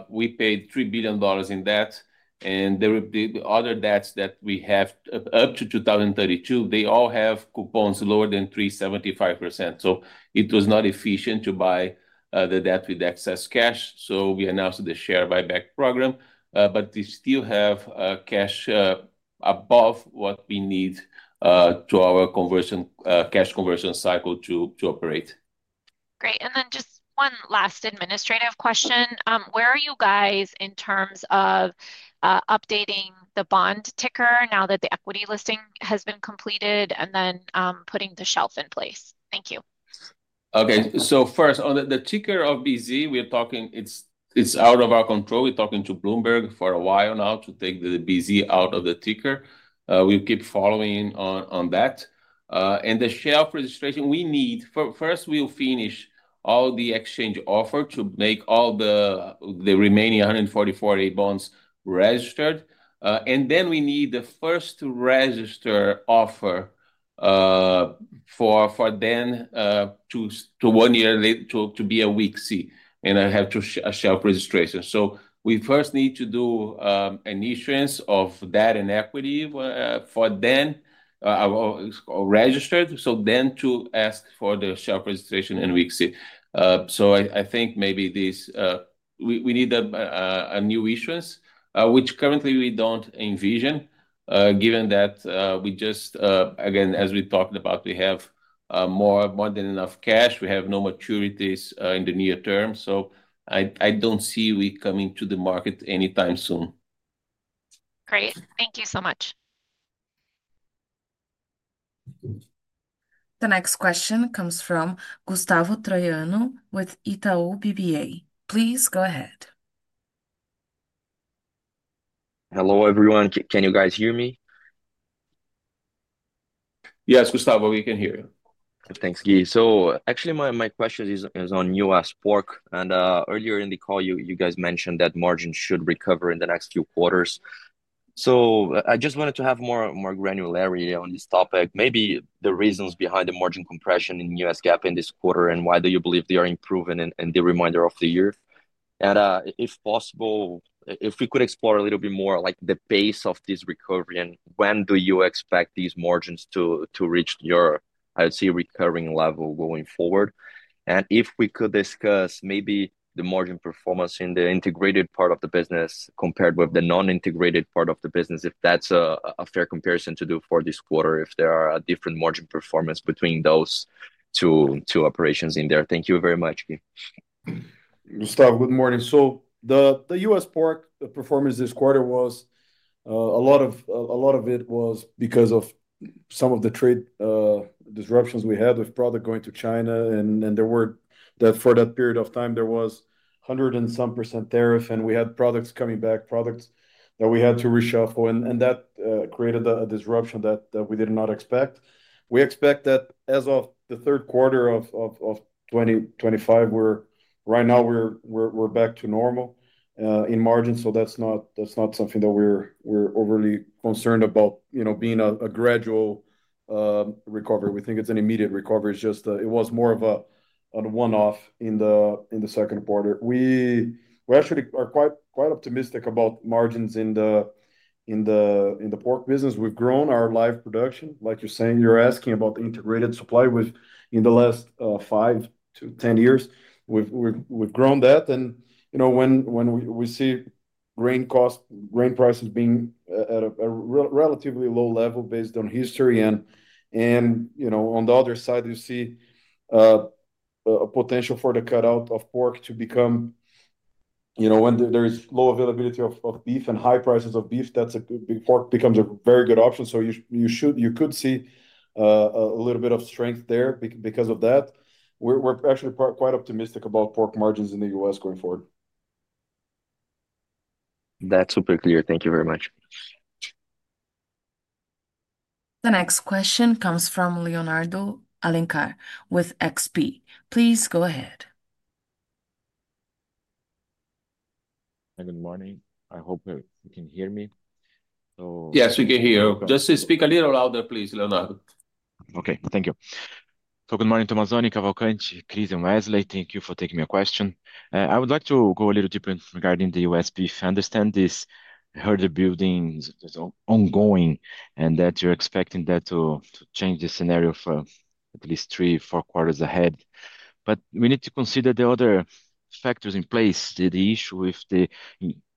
we paid $3 billion in debt, and the other debts that we have up to 2032, they all have coupons lower than 3.75%. It was not efficient to buy the debt with excess cash. We announced the share buyback program, but we still have cash above what we need to our cash conversion cycle to operate. Great. Just one last administrative question. Where are you guys in terms of updating the bond ticker now that the equity listing has been completed, and then putting the shelf in place? Thank you. Okay, so first, on the ticker of BZ, we're talking, it's out of our control. We're talking to Bloomberg for a while now to take the BZ out of the ticker. We'll keep following on that. The shelf registration, we need, first, we'll finish all the exchange offer to make all the remaining 144-day bonds registered. We need the first register offer for then to one year to be a WKSI and have a shelf registration. We first need to do an issuance of that in equity for then registered. Then to ask for the shelf registration and WKSI. I think maybe we need a new issuance, which currently we don't envision, given that we just, again, as we talked about, we have more than enough cash. We have no maturities in the near term. I don't see we coming to the market anytime soon. Great. Thank you so much. The next question comes from Gustavo Troyano with Itaú BBA. Please go ahead. Hello, everyone. Can you guys hear me? Yes, Gustavo, we can hear you. Thanks, Guy. My question is on U.S. pork. Earlier in the call, you guys mentioned that margins should recover in the next few quarters. I just wanted to have more granularity on this topic. Maybe the reasons behind the margin compression in U.S. GAAP in this quarter and why you believe they are improving in the remainder of the year? If possible, if we could explore a little bit more like the pace of this recovery and when you expect these margins to reach your, I would say, recurring level going forward? If we could discuss maybe the margin performance in the integrated part of the business compared with the non-integrated part of the business, if that's a fair comparison to do for this quarter, if there are different margin performance between those two operations in there. Thank you very much, Guy. Gustavo, good morning. The U.S. pork performance this quarter was, a lot of it was because of some of the trade disruptions we had with product going to China. There were, for that period of time, there was a 100 and some % tariff and we had products coming back, products that we had to reshuffle. That created a disruption that we did not expect. We expect that as of the third quarter of 2025, right now we're back to normal in margins. That's not something that we're overly concerned about, you know, being a gradual recovery. We think it's an immediate recovery. It's just that it was more of a one-off in the second quarter. We actually are quite optimistic about margins in the pork business. We've grown our live production. Like you're saying, you're asking about the integrated supply in the last five to ten years. We've grown that. You know, when we see grain cost, grain prices being at a relatively low level based on history. You know, on the other side, you see a potential for the cutout of pork to become, you know, when there's low availability of beef and high prices of beef, pork becomes a very good option. You could see a little bit of strength there because of that. We're actually quite optimistic about pork margins in the U.S. going forward. That's super clear. Thank you very much. The next question comes from Leonardo Alencar with XP. Please go ahead. Good morning. I hope you can hear me. Yes, we can hear you. Just speak a little louder, please, Leonardo. Okay, thank you. Good morning, Tomazoni, Cavalcanti, Christiane, Wesley. Thank you for taking your question. I would like to go a little deeper regarding the U.S. beef. I understand this herd rebuilding is ongoing and that you're expecting that to change the scenario for at least three, four quarters ahead. We need to consider the other factors in place, the issue with the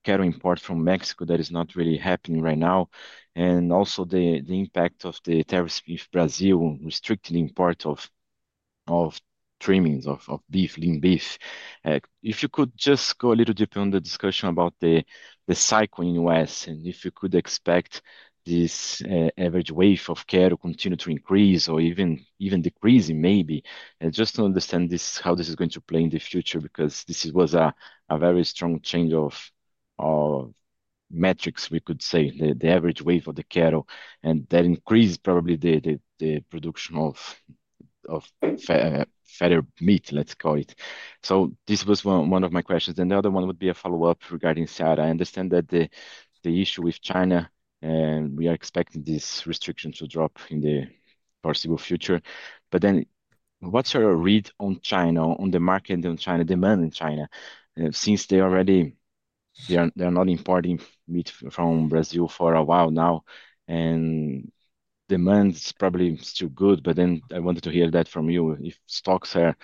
cattle import from Mexico that is not really happening right now, and also the impact of the tariffs if Brazil restricted the import of trimmings of beef, lean beef. If you could just go a little deeper on the discussion about the cycle in the U.S. and if you could expect this average weight of cattle to continue to increase or even decrease maybe. I just want to understand how this is going to play in the future because this was a very strong change of metrics, we could say, the average weight of the cattle, and that increased probably the production of fatter meat, let's call it. This was one of my questions. The other one would be a follow-up regarding Seara. I understand that the issue with China, we are expecting this restriction to drop in the foreseeable future. What's your read on China, on the market in China, demand in China? Since they're not importing meat from Brazil for a while now, and demand is probably still good, I wanted to hear that from you if stocks are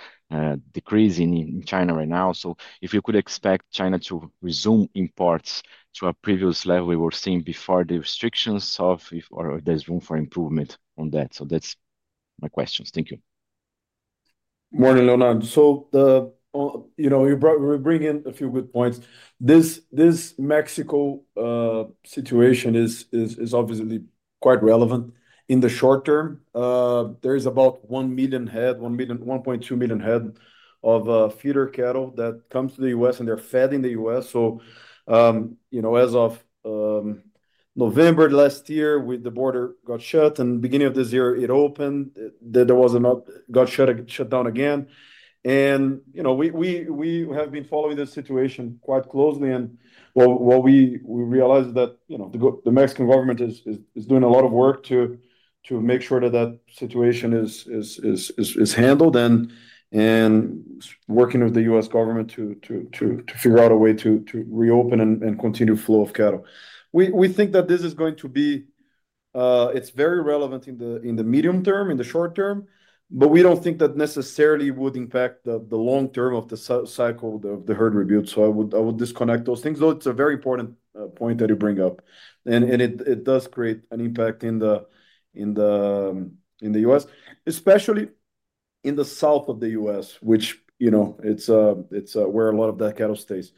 decreasing in China right now. If you could expect China to resume imports to a previous level we were seeing before the restrictions, or if there's room for improvement on that. That's my questions. Thank you. Morning, Leonardo. You bring in a few good points. This Mexico situation is obviously quite relevant. In the short term, there is about 1 million head, 1.2 million head of feeder cattle that come to the U.S. and they're fed in the U.S. As of November last year, the border got shut and at the beginning of this year, it opened. It got shut down again. We have been following this situation quite closely. What we realized is that the Mexican government is doing a lot of work to make sure that that situation is handled and working with the U.S. government to figure out a way to reopen and continue the flow of cattle. We think that this is going to be, it's very relevant in the medium term, in the short term, but we don't think that necessarily would impact the long term of the cycle of the herd rebuild. I would disconnect those things, though it's a very important point that you bring up. It does create an impact in the U.S., especially in the south of the U.S., which is where a lot of that cattle stays.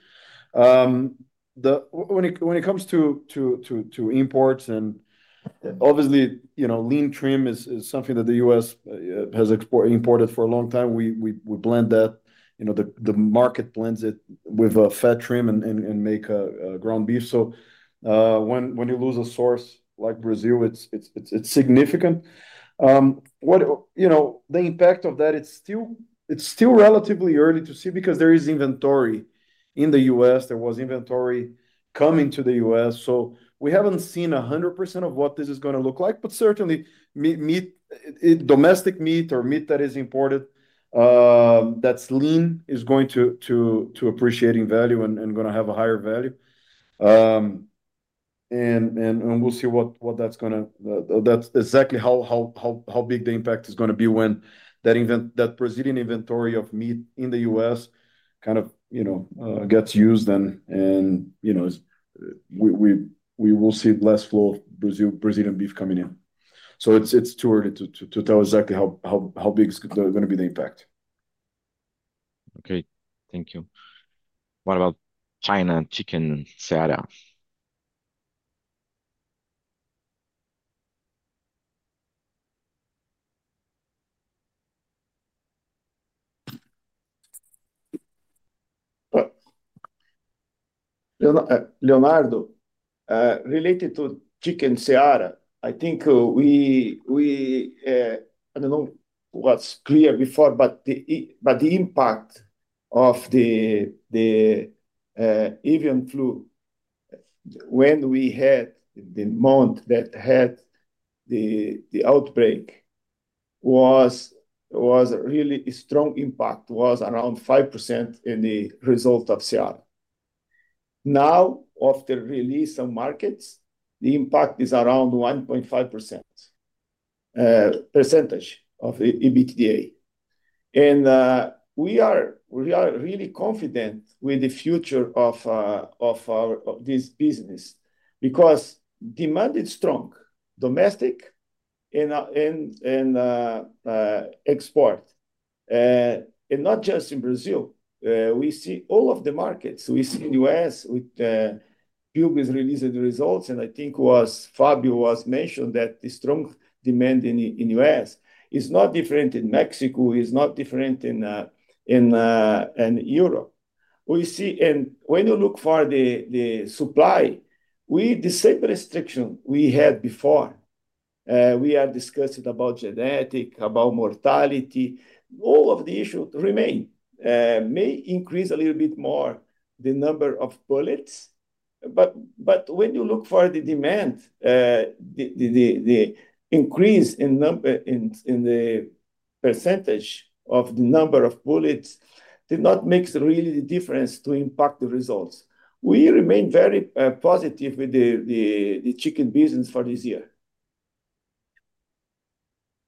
When it comes to imports, obviously, lean trim is something that the U.S. has imported for a long time. We blend that, the market blends it with a fat trim and make a ground beef. When you lose a source like Brazil, it's significant. The impact of that, it's still relatively early to see because there is inventory in the U.S. There was inventory coming to the U.S. We haven't seen 100% of what this is going to look like, but certainly meat, domestic meat or meat that is imported, that's lean is going to appreciate in value and going to have a higher value. We'll see what that's going to, that's exactly how big the impact is going to be when that Brazilian inventory of meat in the U.S. gets used and we will see less flow of Brazilian beef coming in. It's too early to tell exactly how big is going to be the impact. Okay, thank you. What about China and chicken and Seara? Leonardo, related to chicken and Seara, I think we, I don't know what's clear before, but the impact of the avian influenza when we had the month that had the outbreak was really a strong impact, was around 5% in the result of Seara. Now, after the release of markets, the impact is around 1.5% of the EBITDA. We are really confident with the future of this business because demand is strong, domestic and export, and not just in Brazil. We see all of the markets. We see in the U.S., we're good with releasing the results. I think it was Fabio who mentioned that the strong demand in the U.S. is not different in Mexico. It's not different in Europe. We see, and when you look for the supply, we have the same restriction we had before. We are discussing about genetics, about mortality. All of the issues remain. May increase a little bit more the number of pullets, but when you look for the demand, the increase in the percentage of the number of pullets did not make really the difference to impact the results. We remain very positive with the chicken business for this year.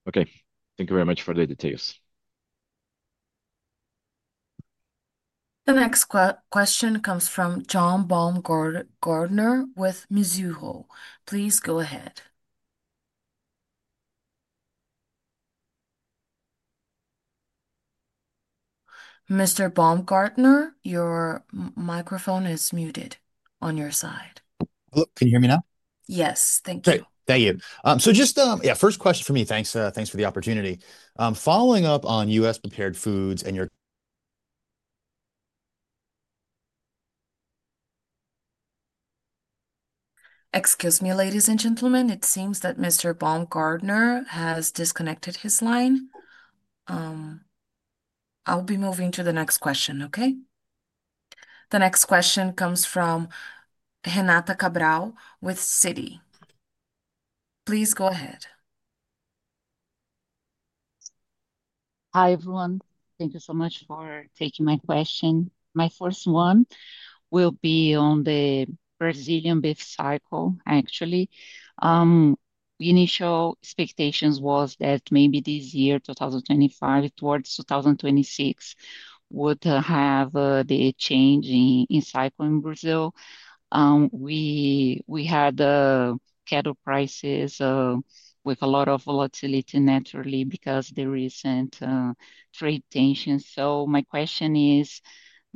Okay. Thank you very much for the details. The next question comes from John Baumgartner with Mizuho. Please go ahead. Mr. Baumgartner, your microphone is muted on your side. Can you hear me now? Yes, thank you. Great. Thank you. First question for me. Thanks for the opportunity. Following up on U.S. prepared foods and your. Excuse me, ladies and gentlemen, it seems that Mr. Baumgartner has disconnected his line. I'll be moving to the next question, okay? The next question comes from Renata Cabral with Citi. Please go ahead. Hi, everyone. Thank you so much for taking my question. My first one will be on the Brazilian beef cycle, actually. The initial expectations were that maybe this year, 2025, towards 2026, would have the change in cycle in Brazil. We had cattle prices with a lot of volatility naturally because of the recent trade tensions. My question is,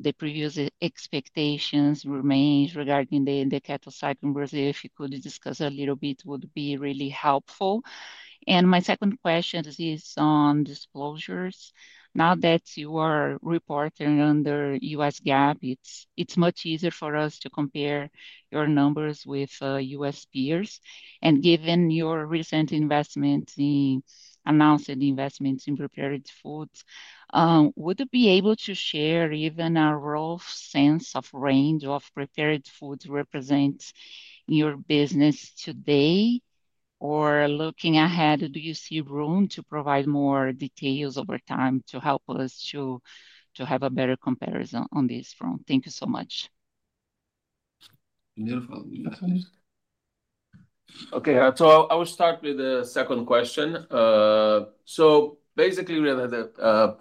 the previous expectations remained regarding the cattle cycle in Brazil. If you could discuss a little bit, it would be really helpful. My second question is on disclosures. Now that you are reporting under U.S. GAAP, it's much easier for us to compare your numbers with U.S. peers. Given your recent investments in announced investments in prepared foods, would you be able to share even a rough sense of range of prepared foods representing your business today? Looking ahead, do you see room to provide more details over time to help us to have a better comparison on this front? Thank you so much. Okay, I will start with the second question. Basically,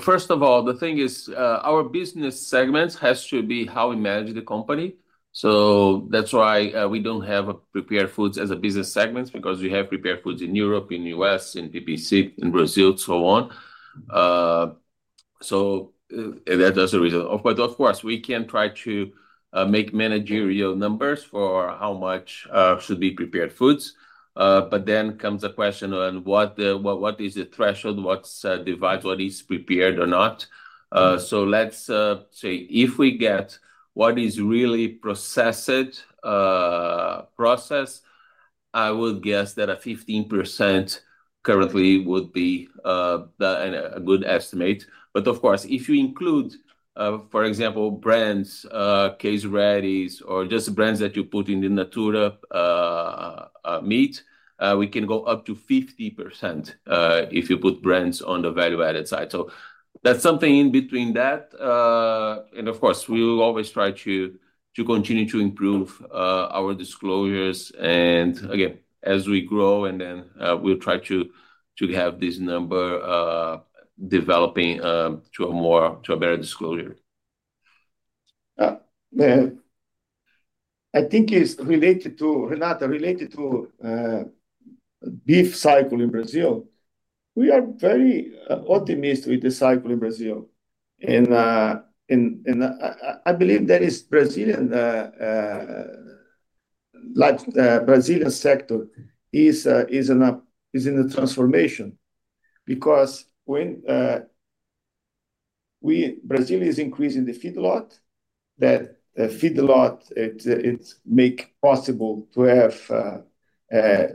first of all, the thing is our business segment has to be how we manage the company. That's why we don't have prepared foods as a business segment because we have prepared foods in Europe, in the U.S., in PPC, in Brazil, and so on. That's the reason. Of course, we can try to make managerial numbers for how much should be prepared foods. Then comes the question on what is the threshold, what's the device, what is prepared or not. Let's say if we get what is really processed process, I would guess that a 15% currently would be a good estimate. Of course, if you include, for example, brands, case varieties, or just brands that you put in the nature of meat, we can go up to 50% if you put brands on the value-added side. That's something in between that. Of course, we will always try to continue to improve our disclosures. Again, as we grow, we'll try to have this number developing to a better disclosure. I think it's related to Renata, related to beef cycle in Brazil. We are very optimistic with the cycle in Brazil. I believe that the Brazilian sector is in a transformation because when Brazil is increasing the feedlot, that feedlot makes it possible to have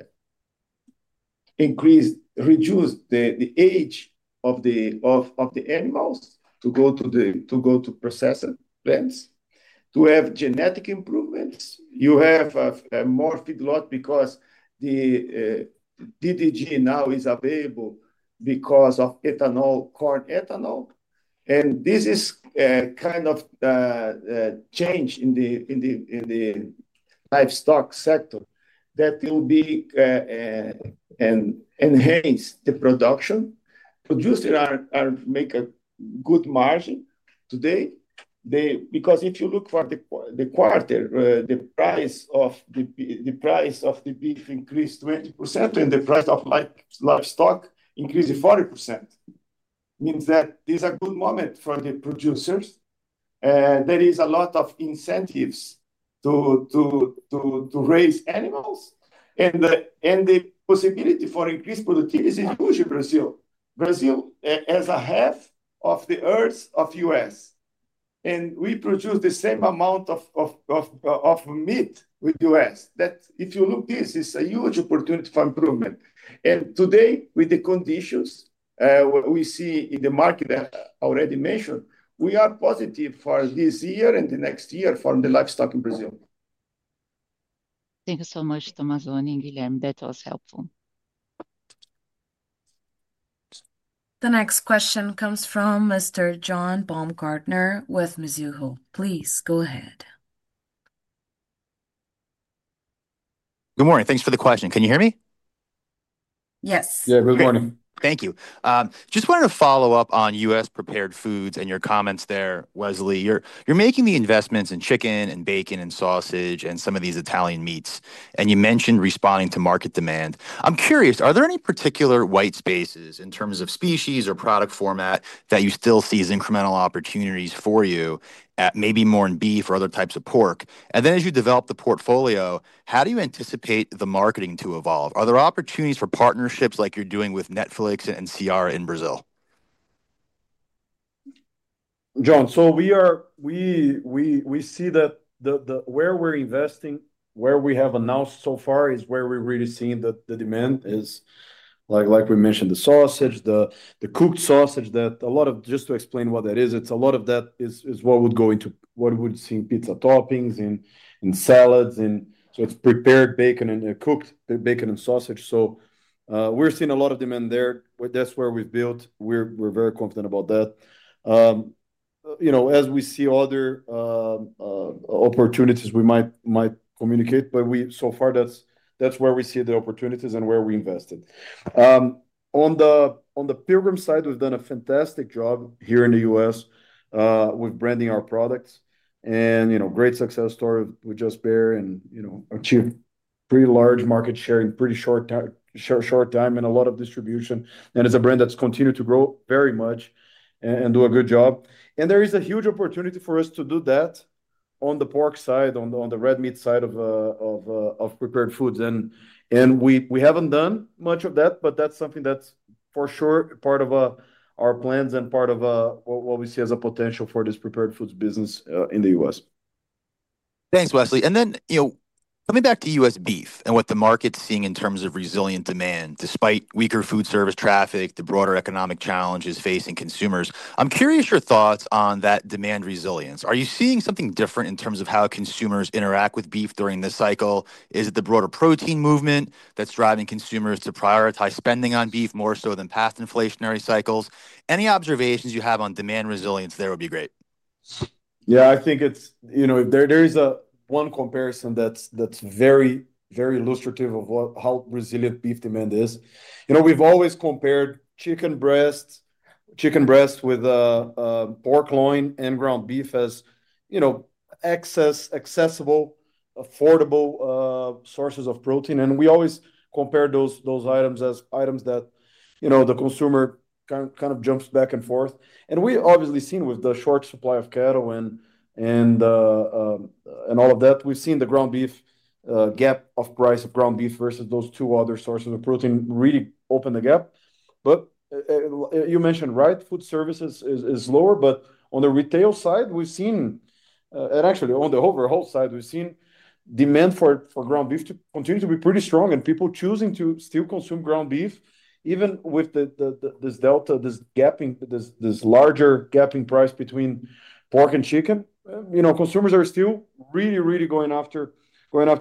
increased, reduced the age of the animals to go to processed plants. To have genetic improvements, you have more feedlot because the DDG now is available because of ethanol, corn ethanol. This is a kind of change in the livestock sector that will enhance the production. Producers make a good margin today because if you look for the quarter, the price of the beef increased 20% and the price of livestock increased 40%. It means that these are good moments for the producers. There are a lot of incentives to raise animals. The possibility for increased productivity is huge in Brazil. Brazil has a half of the Earth of the U.S., and we produce the same amount of meat with the U.S. If you look, this is a huge opportunity for improvement. Today, with the conditions we see in the market that I already mentioned, we are positive for this year and the next year for the livestock in Brazil. Thank you so much, Tomazoni and Guilherme. That was helpful. The next question comes from Mr. John Baumgartner with Mizuho. Please go ahead. Good morning. Thanks for. Can you hear me? Yes. Good morning. Thank you. Just wanted to follow up on U.S. prepared foods and your comments there, Wesley. You're making the investments in chicken and bacon and sausage and some of these Italian meats, and you mentioned responding to market demand. I'm curious, are there any particular white spaces in terms of species or product format that you still see as incremental opportunities for you at maybe more in beef or other types of pork? As you develop the portfolio, how do you anticipate the marketing to evolve? Are there opportunities for partnerships like you're doing with Netflix and NCR in Brazil? John, we see that where we're investing, where we have announced so far, is where we're really seeing the demand, like we mentioned, the sausage, the cooked sausage. Just to explain what that is, a lot of that is what would go into what we've seen, pizza toppings and salads. It's prepared bacon and cooked bacon and sausage. We're seeing a lot of demand there. That's where we've built. We're very confident about that. As we see other opportunities, we might communicate, but so far that's where we see the opportunities and where we invested. On the Pilgrim's side, we've done a fantastic job here in the U.S. with branding our products and great success story with Just Bear, and achieved pretty large market share in a pretty short time and a lot of distribution. It's a brand that's continued to grow very much and do a good job. There is a huge opportunity for us to do that on the pork side, on the red meat side of prepared foods. We haven't done much of that, but that's something that's for sure part of our plans and part of what we see as a potential for this prepared foods business in the U.S. Thanks, Wesley. Coming back to U.S. beef and what the market's seeing in terms of resilient demand despite weaker food service traffic, the broader economic challenges facing consumers, I'm curious your thoughts on that demand resilience. Are you seeing something different in terms of how consumers interact with beef during this cycle? Is it the broader protein movement that's driving consumers to prioritize spending on beef more so than past inflationary cycles? Any observations you have on demand resilience there would be great. Yeah, I think it's, you know, there is one comparison that's very, very illustrative of how resilient beef demand is. We've always compared chicken breasts with pork loin and ground beef as accessible, affordable sources of protein. We always compare those items as items that the consumer kind of jumps back and forth. We've obviously seen with the short supply of cattle and all of that, we've seen the ground beef gap of price of ground beef versus those two other sources of protein really open the gap. You mentioned, right, food services is lower, but on the retail side, we've seen, and actually on the overall side, we've seen demand for ground beef continue to be pretty strong and people choosing to still consume ground beef, even with this delta, this gapping, this larger gapping price between pork and chicken. Consumers are still really, really going after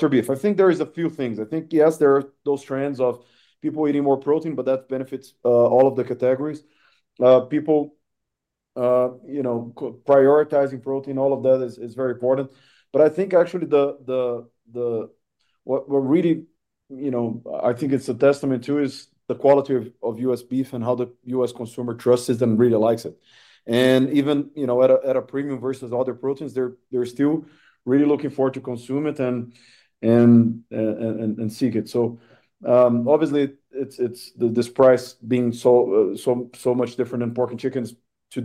beef. I think there are a few things. I think, yes, there are those trends of people eating more protein, but that benefits all of the categories. People prioritizing protein, all of that is very important. I think actually what we're really, you know, I think it's a testament to is the quality of U.S. beef and how the U.S. consumer trusts it and really likes it. Even at a premium versus other proteins, they're still really looking forward to consume it and seek it. Obviously, this price being so, so much different than pork and chicken is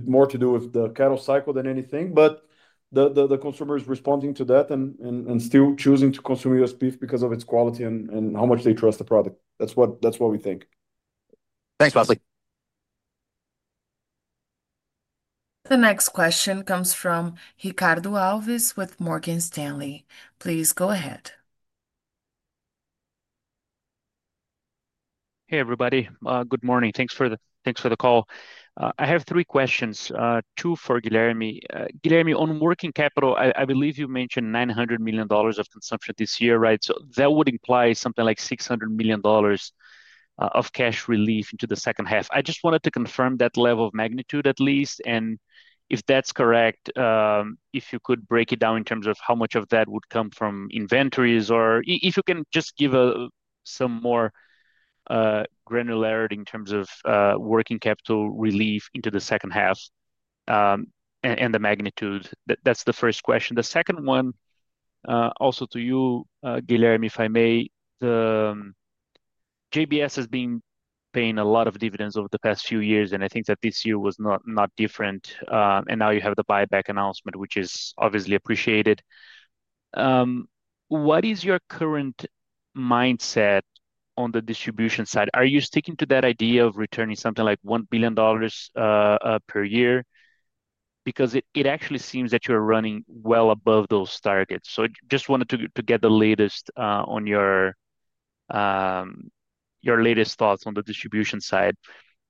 more to do with the cattle cycle than anything, but the consumer is responding to that and still choosing to consume U.S. beef because of its quality and how much they trust the product. That's what we think. Thanks, Wesley. The next question comes from Ricardo Alves with Morgan Stanley. Please go ahead. Hey everybody, good morning. Thanks for the call. I have three questions, two for Guilherme. Guilherme, on working capital, I believe you mentioned $900 million of consumption this year, right? That would imply something like $600 million of cash relief into the second half. I just wanted to confirm that level of magnitude at least, and if that's correct, if you could break it down in terms of how much of that would come from inventories, or if you can just give some more granularity in terms of working capital relief into the second half and the magnitude. That's the first question. The second one, also to you, Guilherme, if I may, JBS has been paying a lot of dividends over the past few years, and I think that this year was not different. Now you have the buyback announcement, which is obviously appreciated. What is your current mindset on the distribution side? Are you sticking to that idea of returning something like $1 billion per year? It actually seems that you're running well above those targets. I just wanted to get the latest on your latest thoughts on the distribution side.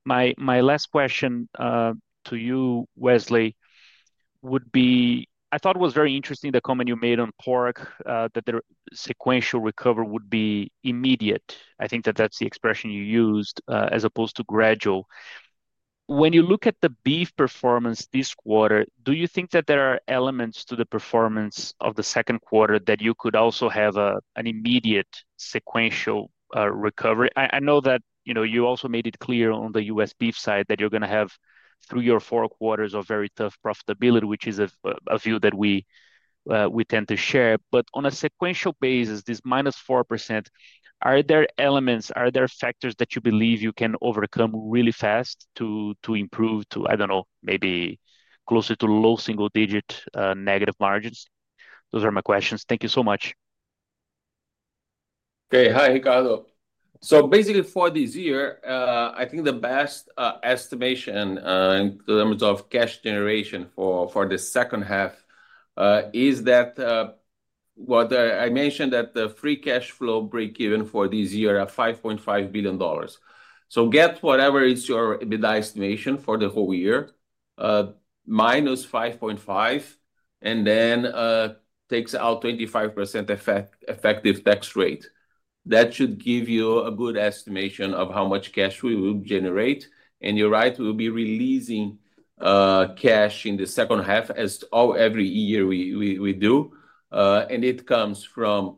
My last question to you, Wesley, would be, I thought it was very interesting the comment you made on pork, that the sequential recovery would be immediate. I think that that's the expression you used, as opposed to gradual. When you look at the beef performance this quarter, do you think that there are elements to the performance of the second quarter that you could also have an immediate sequential recovery? I know that you also made it clear on the U.S. beef side that you're going to have, through your four quarters, a very tough profitability, which is a view that we tend to share. On a sequential basis, this -4%, are there elements, are there factors that you believe you can overcome really fast to improve to, I don't know, maybe closer to low single-digit negative margins? Those are my questions. Thank you so much. Okay, hi, Ricardo. So basically for this year, I think the best estimation in terms of cash generation for the second half is that what I mentioned, that the free cash flow break even for this year is $5.5 billion. Get whatever is your estimation for the whole year, -$5.5 billion, and then take out 25% effective tax rate. That should give you a good estimation of how much cash we will generate. You're right, we'll be releasing cash in the second half as every year we do. It comes from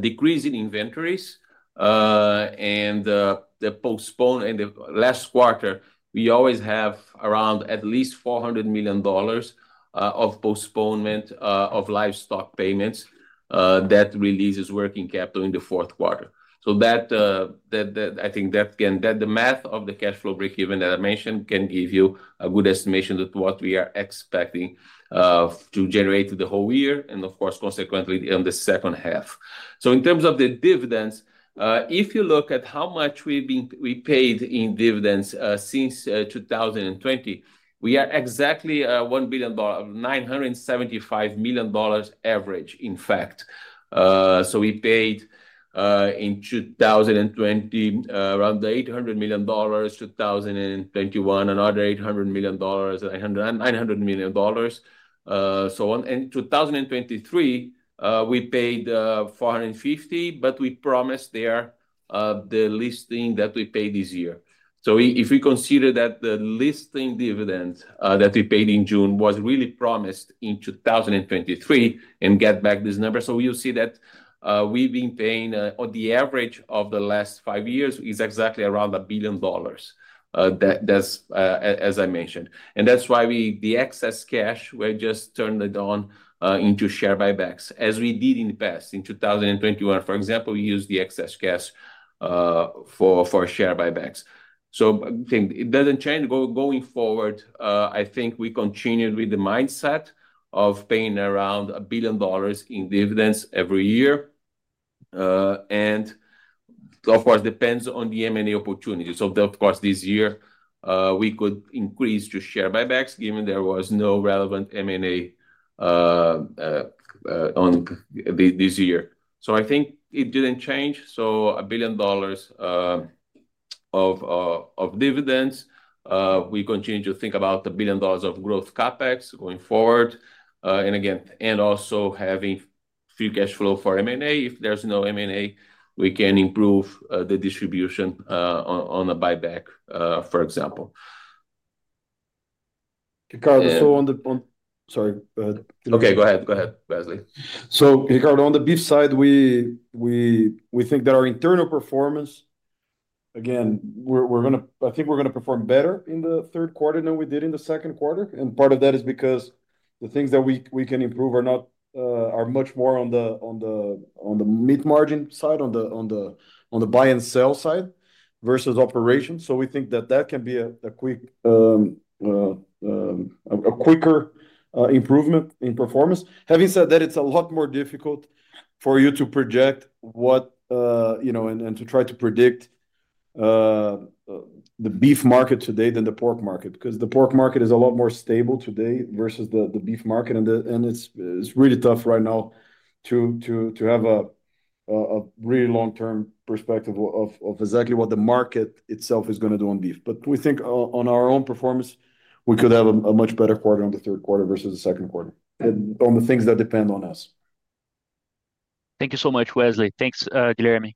decreasing inventories and the postponement. In the last quarter, we always have around at least $400 million of postponement of livestock payments that releases working capital in the fourth quarter. I think that the math of the cash flow break even that I mentioned can give you a good estimation of what we are expecting to generate the whole year and of course consequently in the second half. In terms of the dividends, if you look at how much we paid in dividends since 2020, we are exactly $1 billion, $975 million average, in fact. We paid in 2020 around $800 million, 2021, another $800 million, and $900 million, so on. In 2023, we paid $450 million, but we promised there the least thing that we paid this year. If we consider that the least thing dividend that we paid in June was really promised in 2023 and get back this number, we'll see that we've been paying on the average of the last five years is exactly around $1 billion. That's as I mentioned. That's why the excess cash, we just turned it on into share buybacks, as we did in the past in 2021. For example, we used the excess cash for share buybacks. It doesn't change going forward. I think we continued with the mindset of paying around $1 billion in dividends every year. Of course, it depends on the M&A opportunity. This year, we could increase to share buybacks given there was no relevant M&A this year. I think it didn't change. $1 billion of dividends, we continue to think about $1 billion of growth CapEx going forward. Again, and also having free cash flow for M&A. If there's no M&A, we can improve the distribution on a buyback, for example. Ricardo, go ahead. Okay, go ahead, Wesley. Ricardo, on the beef side, we think that our internal performance, again, we're going to, I think we're going to perform better in the third quarter than we did in the second quarter. Part of that is because the things that we can improve are much more on the mid-margin side, on the buy and sell side versus operations. We think that can be a quicker improvement in performance. Having said that, it's a lot more difficult for you to project what, you know, and to try to predict the beef market today than the pork market because the pork market is a lot more stable today versus the beef market. It's really tough right now to have a really long-term perspective of exactly what the market itself is going to do on beef. We think on our own performance, we could have a much better quarter in the third quarter versus the second quarter on the things that depend on us. Thank you so much, Wesley. Thanks, Guilherme.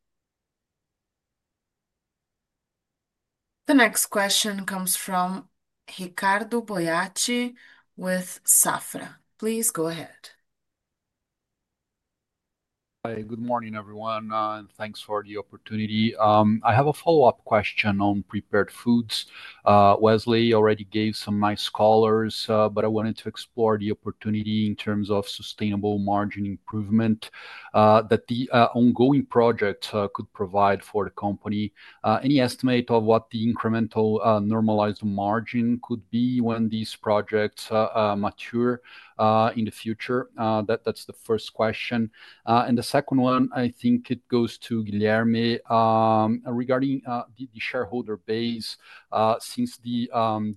The next question comes from Ricardo Boiati with Safra. Please go ahead. Hi, good morning everyone. Thanks for the opportunity. I have a follow-up question on prepared foods. Wesley already gave some nice colors, but I wanted to explore the opportunity in terms of sustainable margin improvement that the ongoing projects could provide for the company. Any estimate of what the incremental normalized margin could be when these projects mature in the future? That's the first question. The second one, I think it goes to Guilherme regarding the shareholder base since the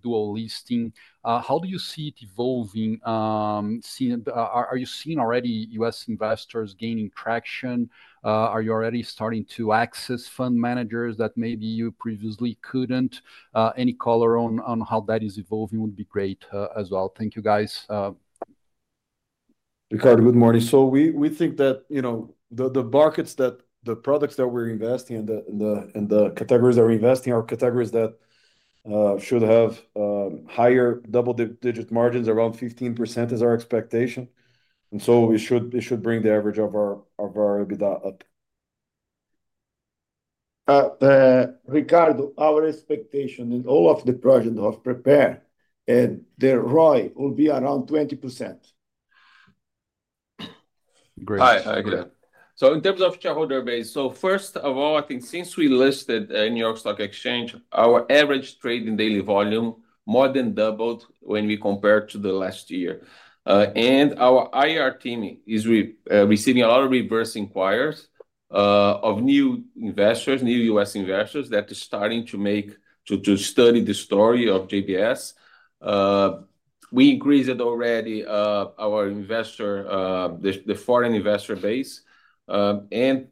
dual listing. How do you see it evolving? Are you seeing already U.S. investors gaining traction? Are you already starting to access fund managers that maybe you previously couldn't? Any color on how that is evolving would be great as well. Thank you, guys. Ricardo, good morning. We think that, you know, the markets that the products that we're investing in and the categories that we're investing in are categories that should have higher double-digit margins, around 15% is our expectation. It should bring the average of our EBITDA up. Ricardo, our expectation in all of the projects was prepared and their ROI will be around 20%. Great. I agree with that. In terms of shareholder base, first of all, I think since we listed in the New York Stock Exchange, our average trading daily volume more than doubled when we compare to last year. Our IR team is receiving a lot of reverse inquiries of new investors, new U.S. investors that are starting to study the story of JBS. We increased already our foreign investor base, and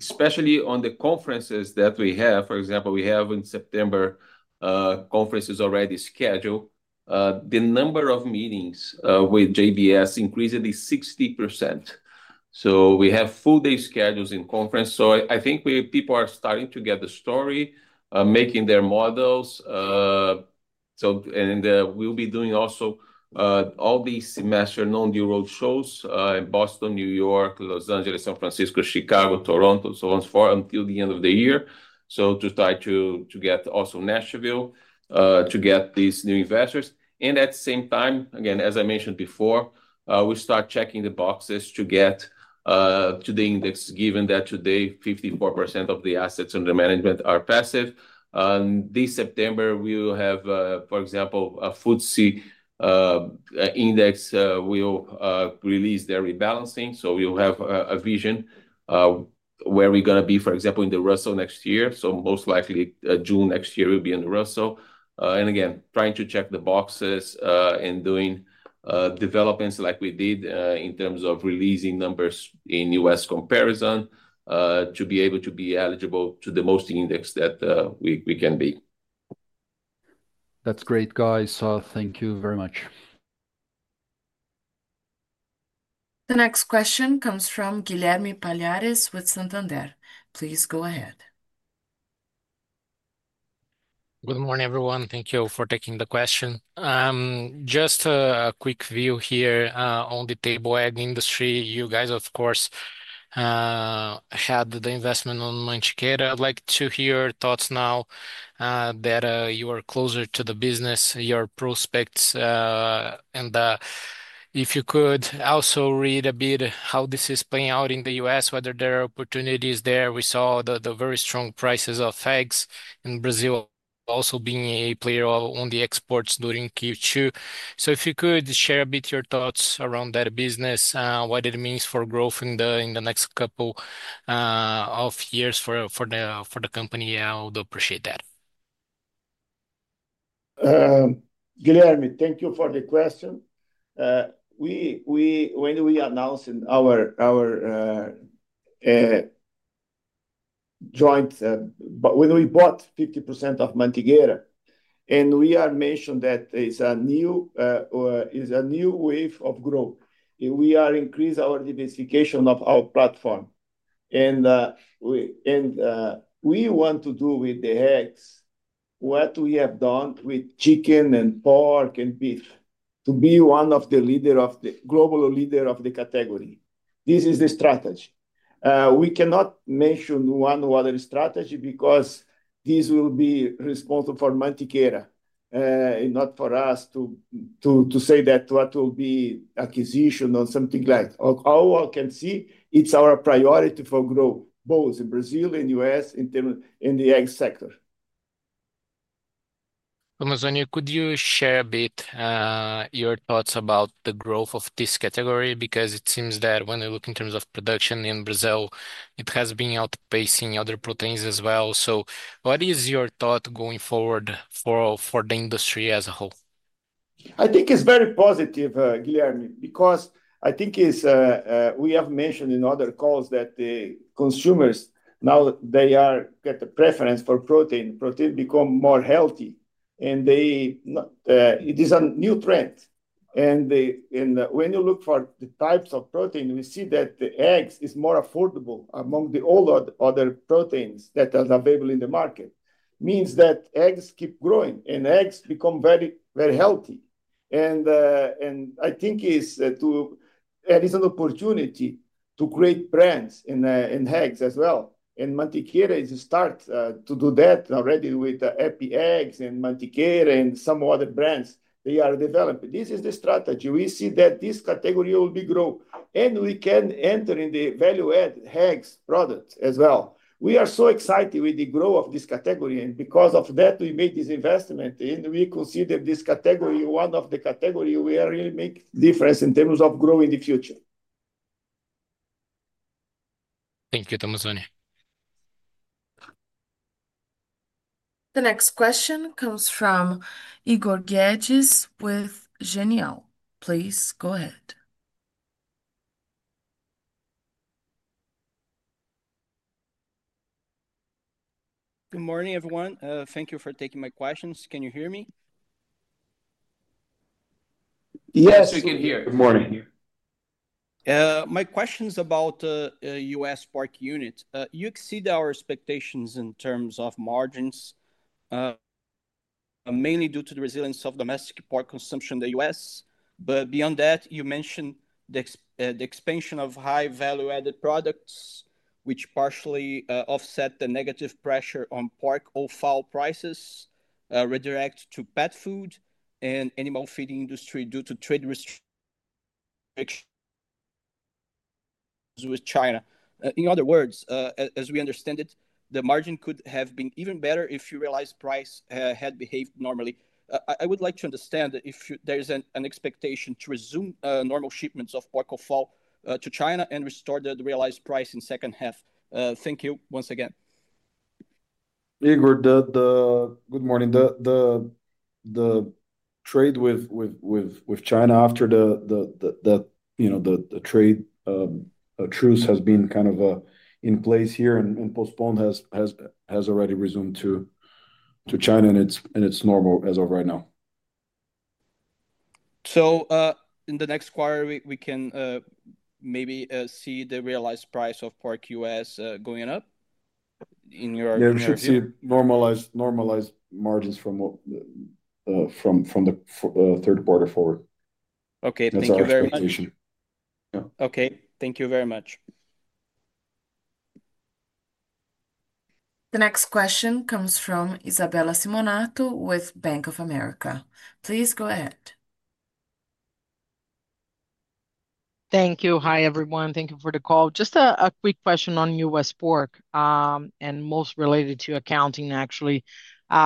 especially on the conferences that we have. For example, we have in September conferences already scheduled. The number of meetings with JBS increased at least 60%. We have full-day schedules in conference. I think people are starting to get the story, making their models. We'll be doing also all these semester non-new road shows in Boston, New York, Los Angeles, San Francisco, Chicago, Toronto, and so on and so forth until the end of the year to try to get also Nashville to get these new investors. At the same time, again, as I mentioned before, we start checking the boxes to get to the index, given that today 54% of the assets under management are passive. This September, we will have, for example, a FTSE index. We'll release their rebalancing. We'll have a vision where we're going to be, for example, in the Russell next year. Most likely June next year we'll be in the Russell. Again, trying to check the boxes and doing developments like we did in terms of releasing numbers in U.S. comparison to be able to be eligible to the most index that we can be. That's great, guys. Thank you very much. The next question comes from Guilherme Palhares with Santander. Please go ahead. Good morning everyone. Thank you for taking the question. Just a quick view here on the table ag industry. You guys, of course, had the investment on Manteguera. I'd like to hear your thoughts now that you are closer to the business, your prospects. If you could also read a bit how this is playing out in the U.S., whether there are opportunities there. We saw the very strong prices of eggs in Brazil also being a player on the exports during Q2. If you could share a bit your thoughts around that business, what it means for growth in the next couple of years for the company, I would appreciate that. Guilherme, thank you for the question. When we announced our joint, when we bought 50% of Manteguera, we mentioned that it's a new wave of growth. We increased our diversification of our platform. We want to do with the eggs what we have done with chicken and pork and beef to be one of the leaders, the global leaders of the category. This is the strategy. We cannot mention one or other strategy because this will be responsible for Manteguera, not for us to say what will be acquisition or something like that. All I can say is it's our priority for growth, both in Brazil and the U.S. in the egg sector. Amazonia, could you share a bit your thoughts about the growth of this category? It seems that when we look in terms of production in Brazil, it has been outpacing other proteins as well. What is your thought going forward for the industry as a whole? I think it's very positive, Guilherme, because I think we have mentioned in other calls that the consumers now have a preference for protein. Protein becomes more healthy. It is a new trend. When you look for the types of protein, we see that the eggs are more affordable among all the other proteins that are available in the market. It means that eggs keep growing and eggs become very, very healthy. I think it's an opportunity to create brands in eggs as well. Manteguera is starting to do that already with the Happy Eggs and Manteguera and some other brands they are developing. This is the strategy. We see that this category will be growing and we can enter in the value-added eggs product as well. We are so excited with the growth of this category. Because of that, we made this investment and we consider this category one of the categories where we make a difference in terms of growth in the future. Thank you, Tomazoni. The next question comes from Igor Guedes with Genial. Please go ahead. Good morning, everyone. Thank you for taking my questions. Can you hear me? Yes, we can hear you. Good morning. My question is about the U.S. pork unit. You exceed our expectations in terms of margins, mainly due to the resilience of domestic pork consumption in the U.S. Beyond that, you mentioned the expansion of high value-added products, which partially offset the negative pressure on pork or fowl prices, redirect to pet food and animal feeding industry due to trade restrictions with China. In other words, as we understand it, the margin could have been even better if you realize price had behaved normally. I would like to understand if there is an expectation to resume normal shipments of pork or fowl to China and restore the realized price in the second half. Thank you once again. Igor, good morning. The trade with China after the trade truce has been kind of in place here and postponed has already resumed to China, and it's normal as of right now. In the next quarter, we can maybe see the realized price of pork U.S. going up in your. We should see normalized margins from the third quarter forward. Okay, thank you very much. The next question comes from Isabella Simonato with Bank of America. Please go ahead. Thank you. Hi everyone. Thank you for the call. Just a quick question on U.S. pork and most related to accounting actually.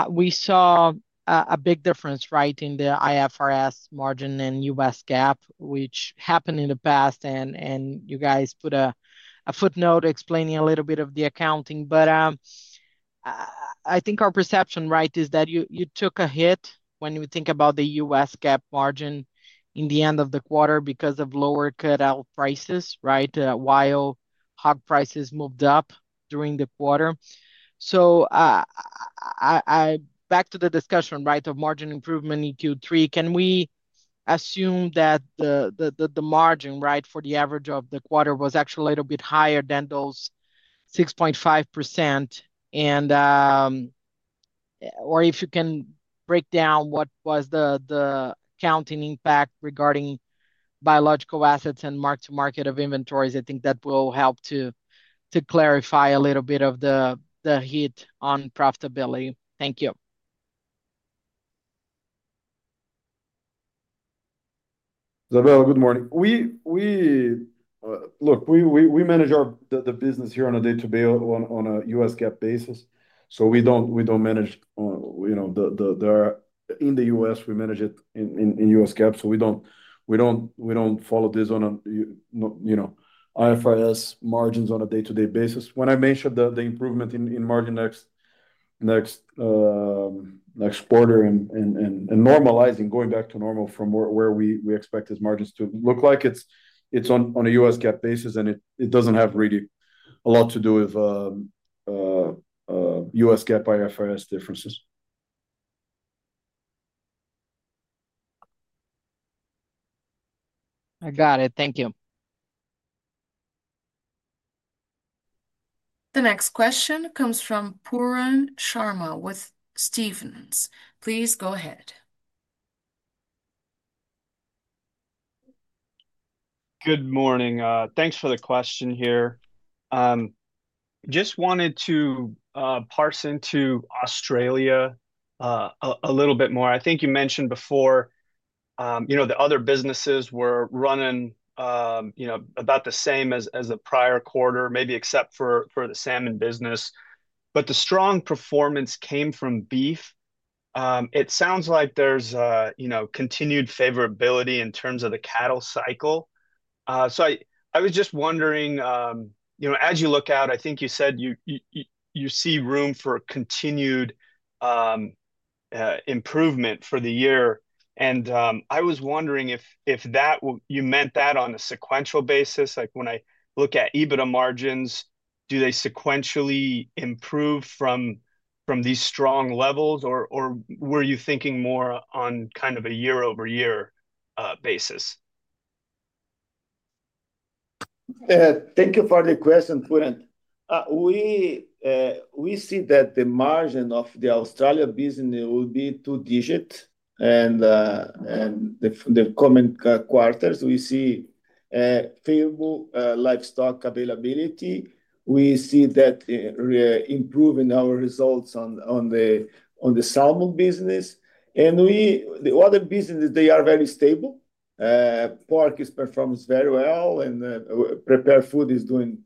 We saw a big difference, right, in the IFRS margin and U.S. GAAP, which happened in the past. You guys put a footnote explaining a little bit of the accounting. I think our perception, right, is that you took a hit when you think about the U.S. GAAP margin in the end of the quarter because of lower cut-out prices, right, while hog prices moved up during the quarter. Back to the discussion, right, of margin improvement in Q3, can we assume that the margin, right, for the average of the quarter was actually a little bit higher than those 6.5%? If you can break down what was the accounting impact regarding biological assets and mark-to-market of inventories, I think that will help to clarify a little bit of the hit on profitability. Thank you. Isabella, good morning. We manage the business here on a day-to-day on a U.S. GAAP basis. We don't manage, you know, in the U.S., we manage it in U.S. GAAP. We don't follow this on a, you know, IFRS margins on a day-to-day basis. When I mentioned the improvement in margin next quarter and normalizing, going back to normal from where we expect these margins to look like, it's on a U.S. GAAP basis and it doesn't have really a lot to do with U.S. GAAP IFRS differences. I got it. Thank you. The next question comes from Pooran Sharma with Stephens. Please go ahead. Good morning. Thanks for the question here. Just wanted to parse into Australia a little bit more. I think you mentioned before, you know, the other businesses were running about the same as the prior quarter, maybe except for the salmon business. The strong performance came from beef. It sounds like there's continued favorability in terms of the cattle cycle. I was just wondering, as you look out, I think you said you see room for continued improvement for the year. I was wondering if you meant that on a sequential basis, like when I look at EBITDA margins, do they sequentially improve from these strong levels, or were you thinking more on kind of a year-over-year basis? Thank you for the question, Pooran. We see that the margin of the Australia business will be two-digit in the coming quarters. We see favorable livestock availability. We see that improving our results on the salmon business. The other businesses, they are very stable. Pork performs very well and prepared food is doing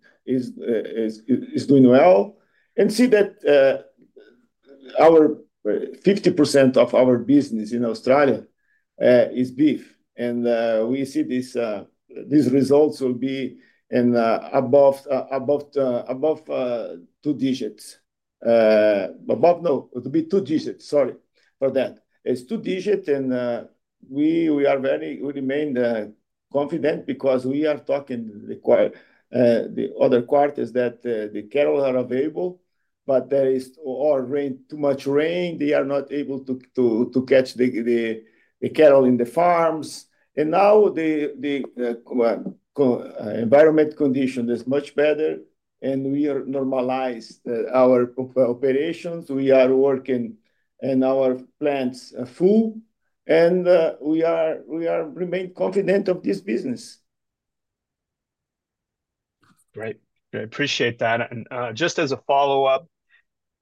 well. We see that 50% of our business in Australia is beef. We see these results will be above two digits. Above, no, to be two digits, sorry for that. It's two digits and we are very, we remain confident because we are talking the other quarters that the cattle are available, but there is too much rain. They are not able to catch the cattle in the farms. Now the environmental condition is much better and we are normalizing our operations. We are working and our plants are full. We are remaining confident of this business. Great. I appreciate that. Just as a follow-up,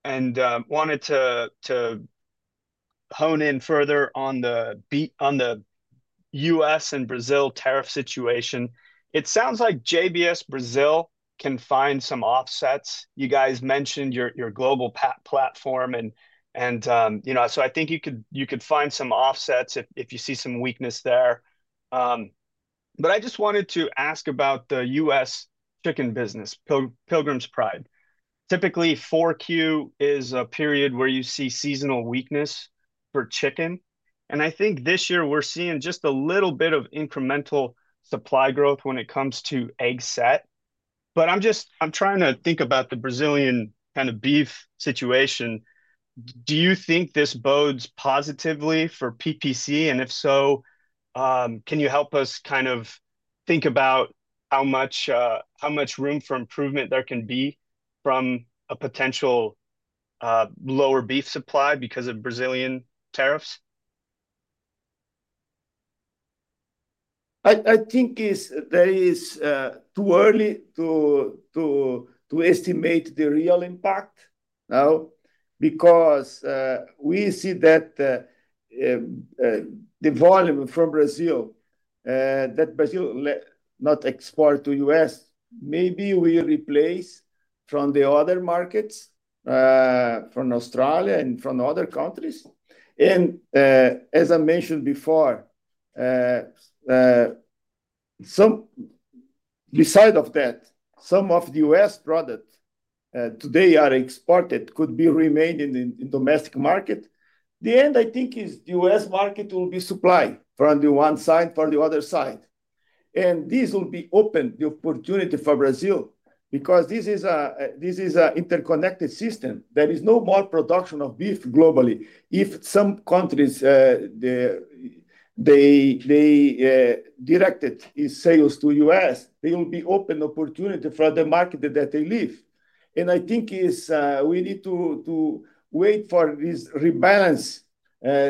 I wanted to hone in further on the U.S. and Brazil tariff situation. It sounds like JBS Brazil can find some offsets. You guys mentioned your global platform, and I think you could find some offsets if you see some weakness there. I just wanted to ask about the US chicken business, Pilgrim's Pride. Typically, 4Q is a period where you see seasonal weakness for chicken. I think this year we're seeing just a little bit of incremental supply growth when it comes to egg set. I'm trying to think about the Brazilian kind of beef situation. Do you think this bodes positively for PPC? If so, can you help us think about how much room for improvement there can be from a potential lower beef supply because of Brazilian tariffs? I think it's too early to estimate the real impact now because we see that the volume from Brazil that Brazil does not export to the U.S., maybe we replace from the other markets, from Australia and from other countries. As I mentioned before, besides that, some of the U.S. products today are exported could be remaining in the domestic market. In the end, I think the U.S. market will be supply from the one side, from the other side. This will be open the opportunity for Brazil because this is an interconnected system. There is no more production of beef globally. If some countries directed sales to the U.S., there will be an open opportunity for the market that they leave. I think we need to wait for this rebalance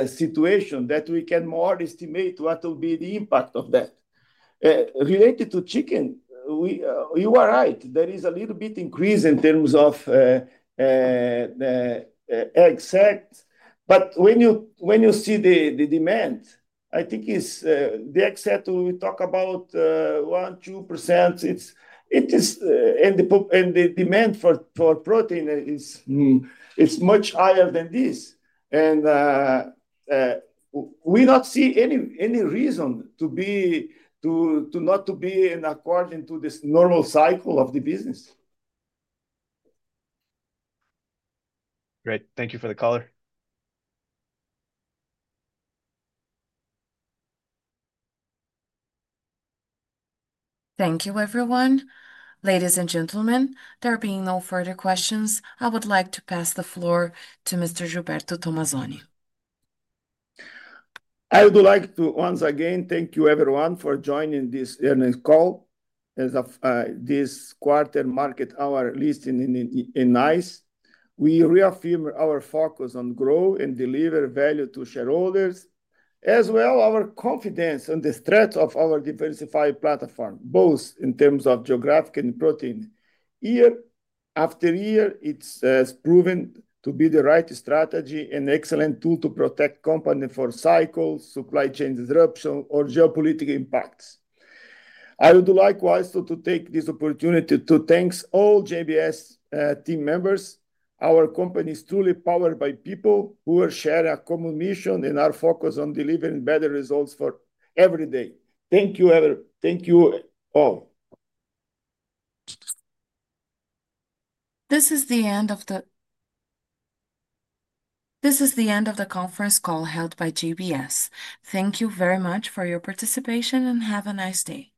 situation that we can more estimate what will be the impact of that. Related to chicken, you are right. There is a little bit increase in terms of egg set. When you see the demand, I think the egg set we talk about, 1%, 2%, it is, and the demand for protein is much higher than this. We don't see any reason to not be in accordance to this normal cycle of the business. Great. Thank you for the color. Thank you, everyone. Ladies and gentlemen, there being no further questions, I would like to pass the floor to Mr. Gilberto Tomazoni. I would like to once again thank you everyone for joining this earnings call. As of this quarter, market, our listing is nice. We reaffirm our focus on growth and deliver value to shareholders, as well as our confidence in the strength of our diversified platform, both in terms of geographic and protein. Year after year, it's proven to be the right strategy and an excellent tool to protect companies from cycles, supply chain disruption, or geopolitical impacts. I would like also to take this opportunity to thank all JBS team members. Our company is truly powered by people who share a common mission and are focused on delivering better results for every day. Thank you, everyone. Thank you all. This is the end of the conference call held by JBS. Thank you very much for your participation and have a nice day.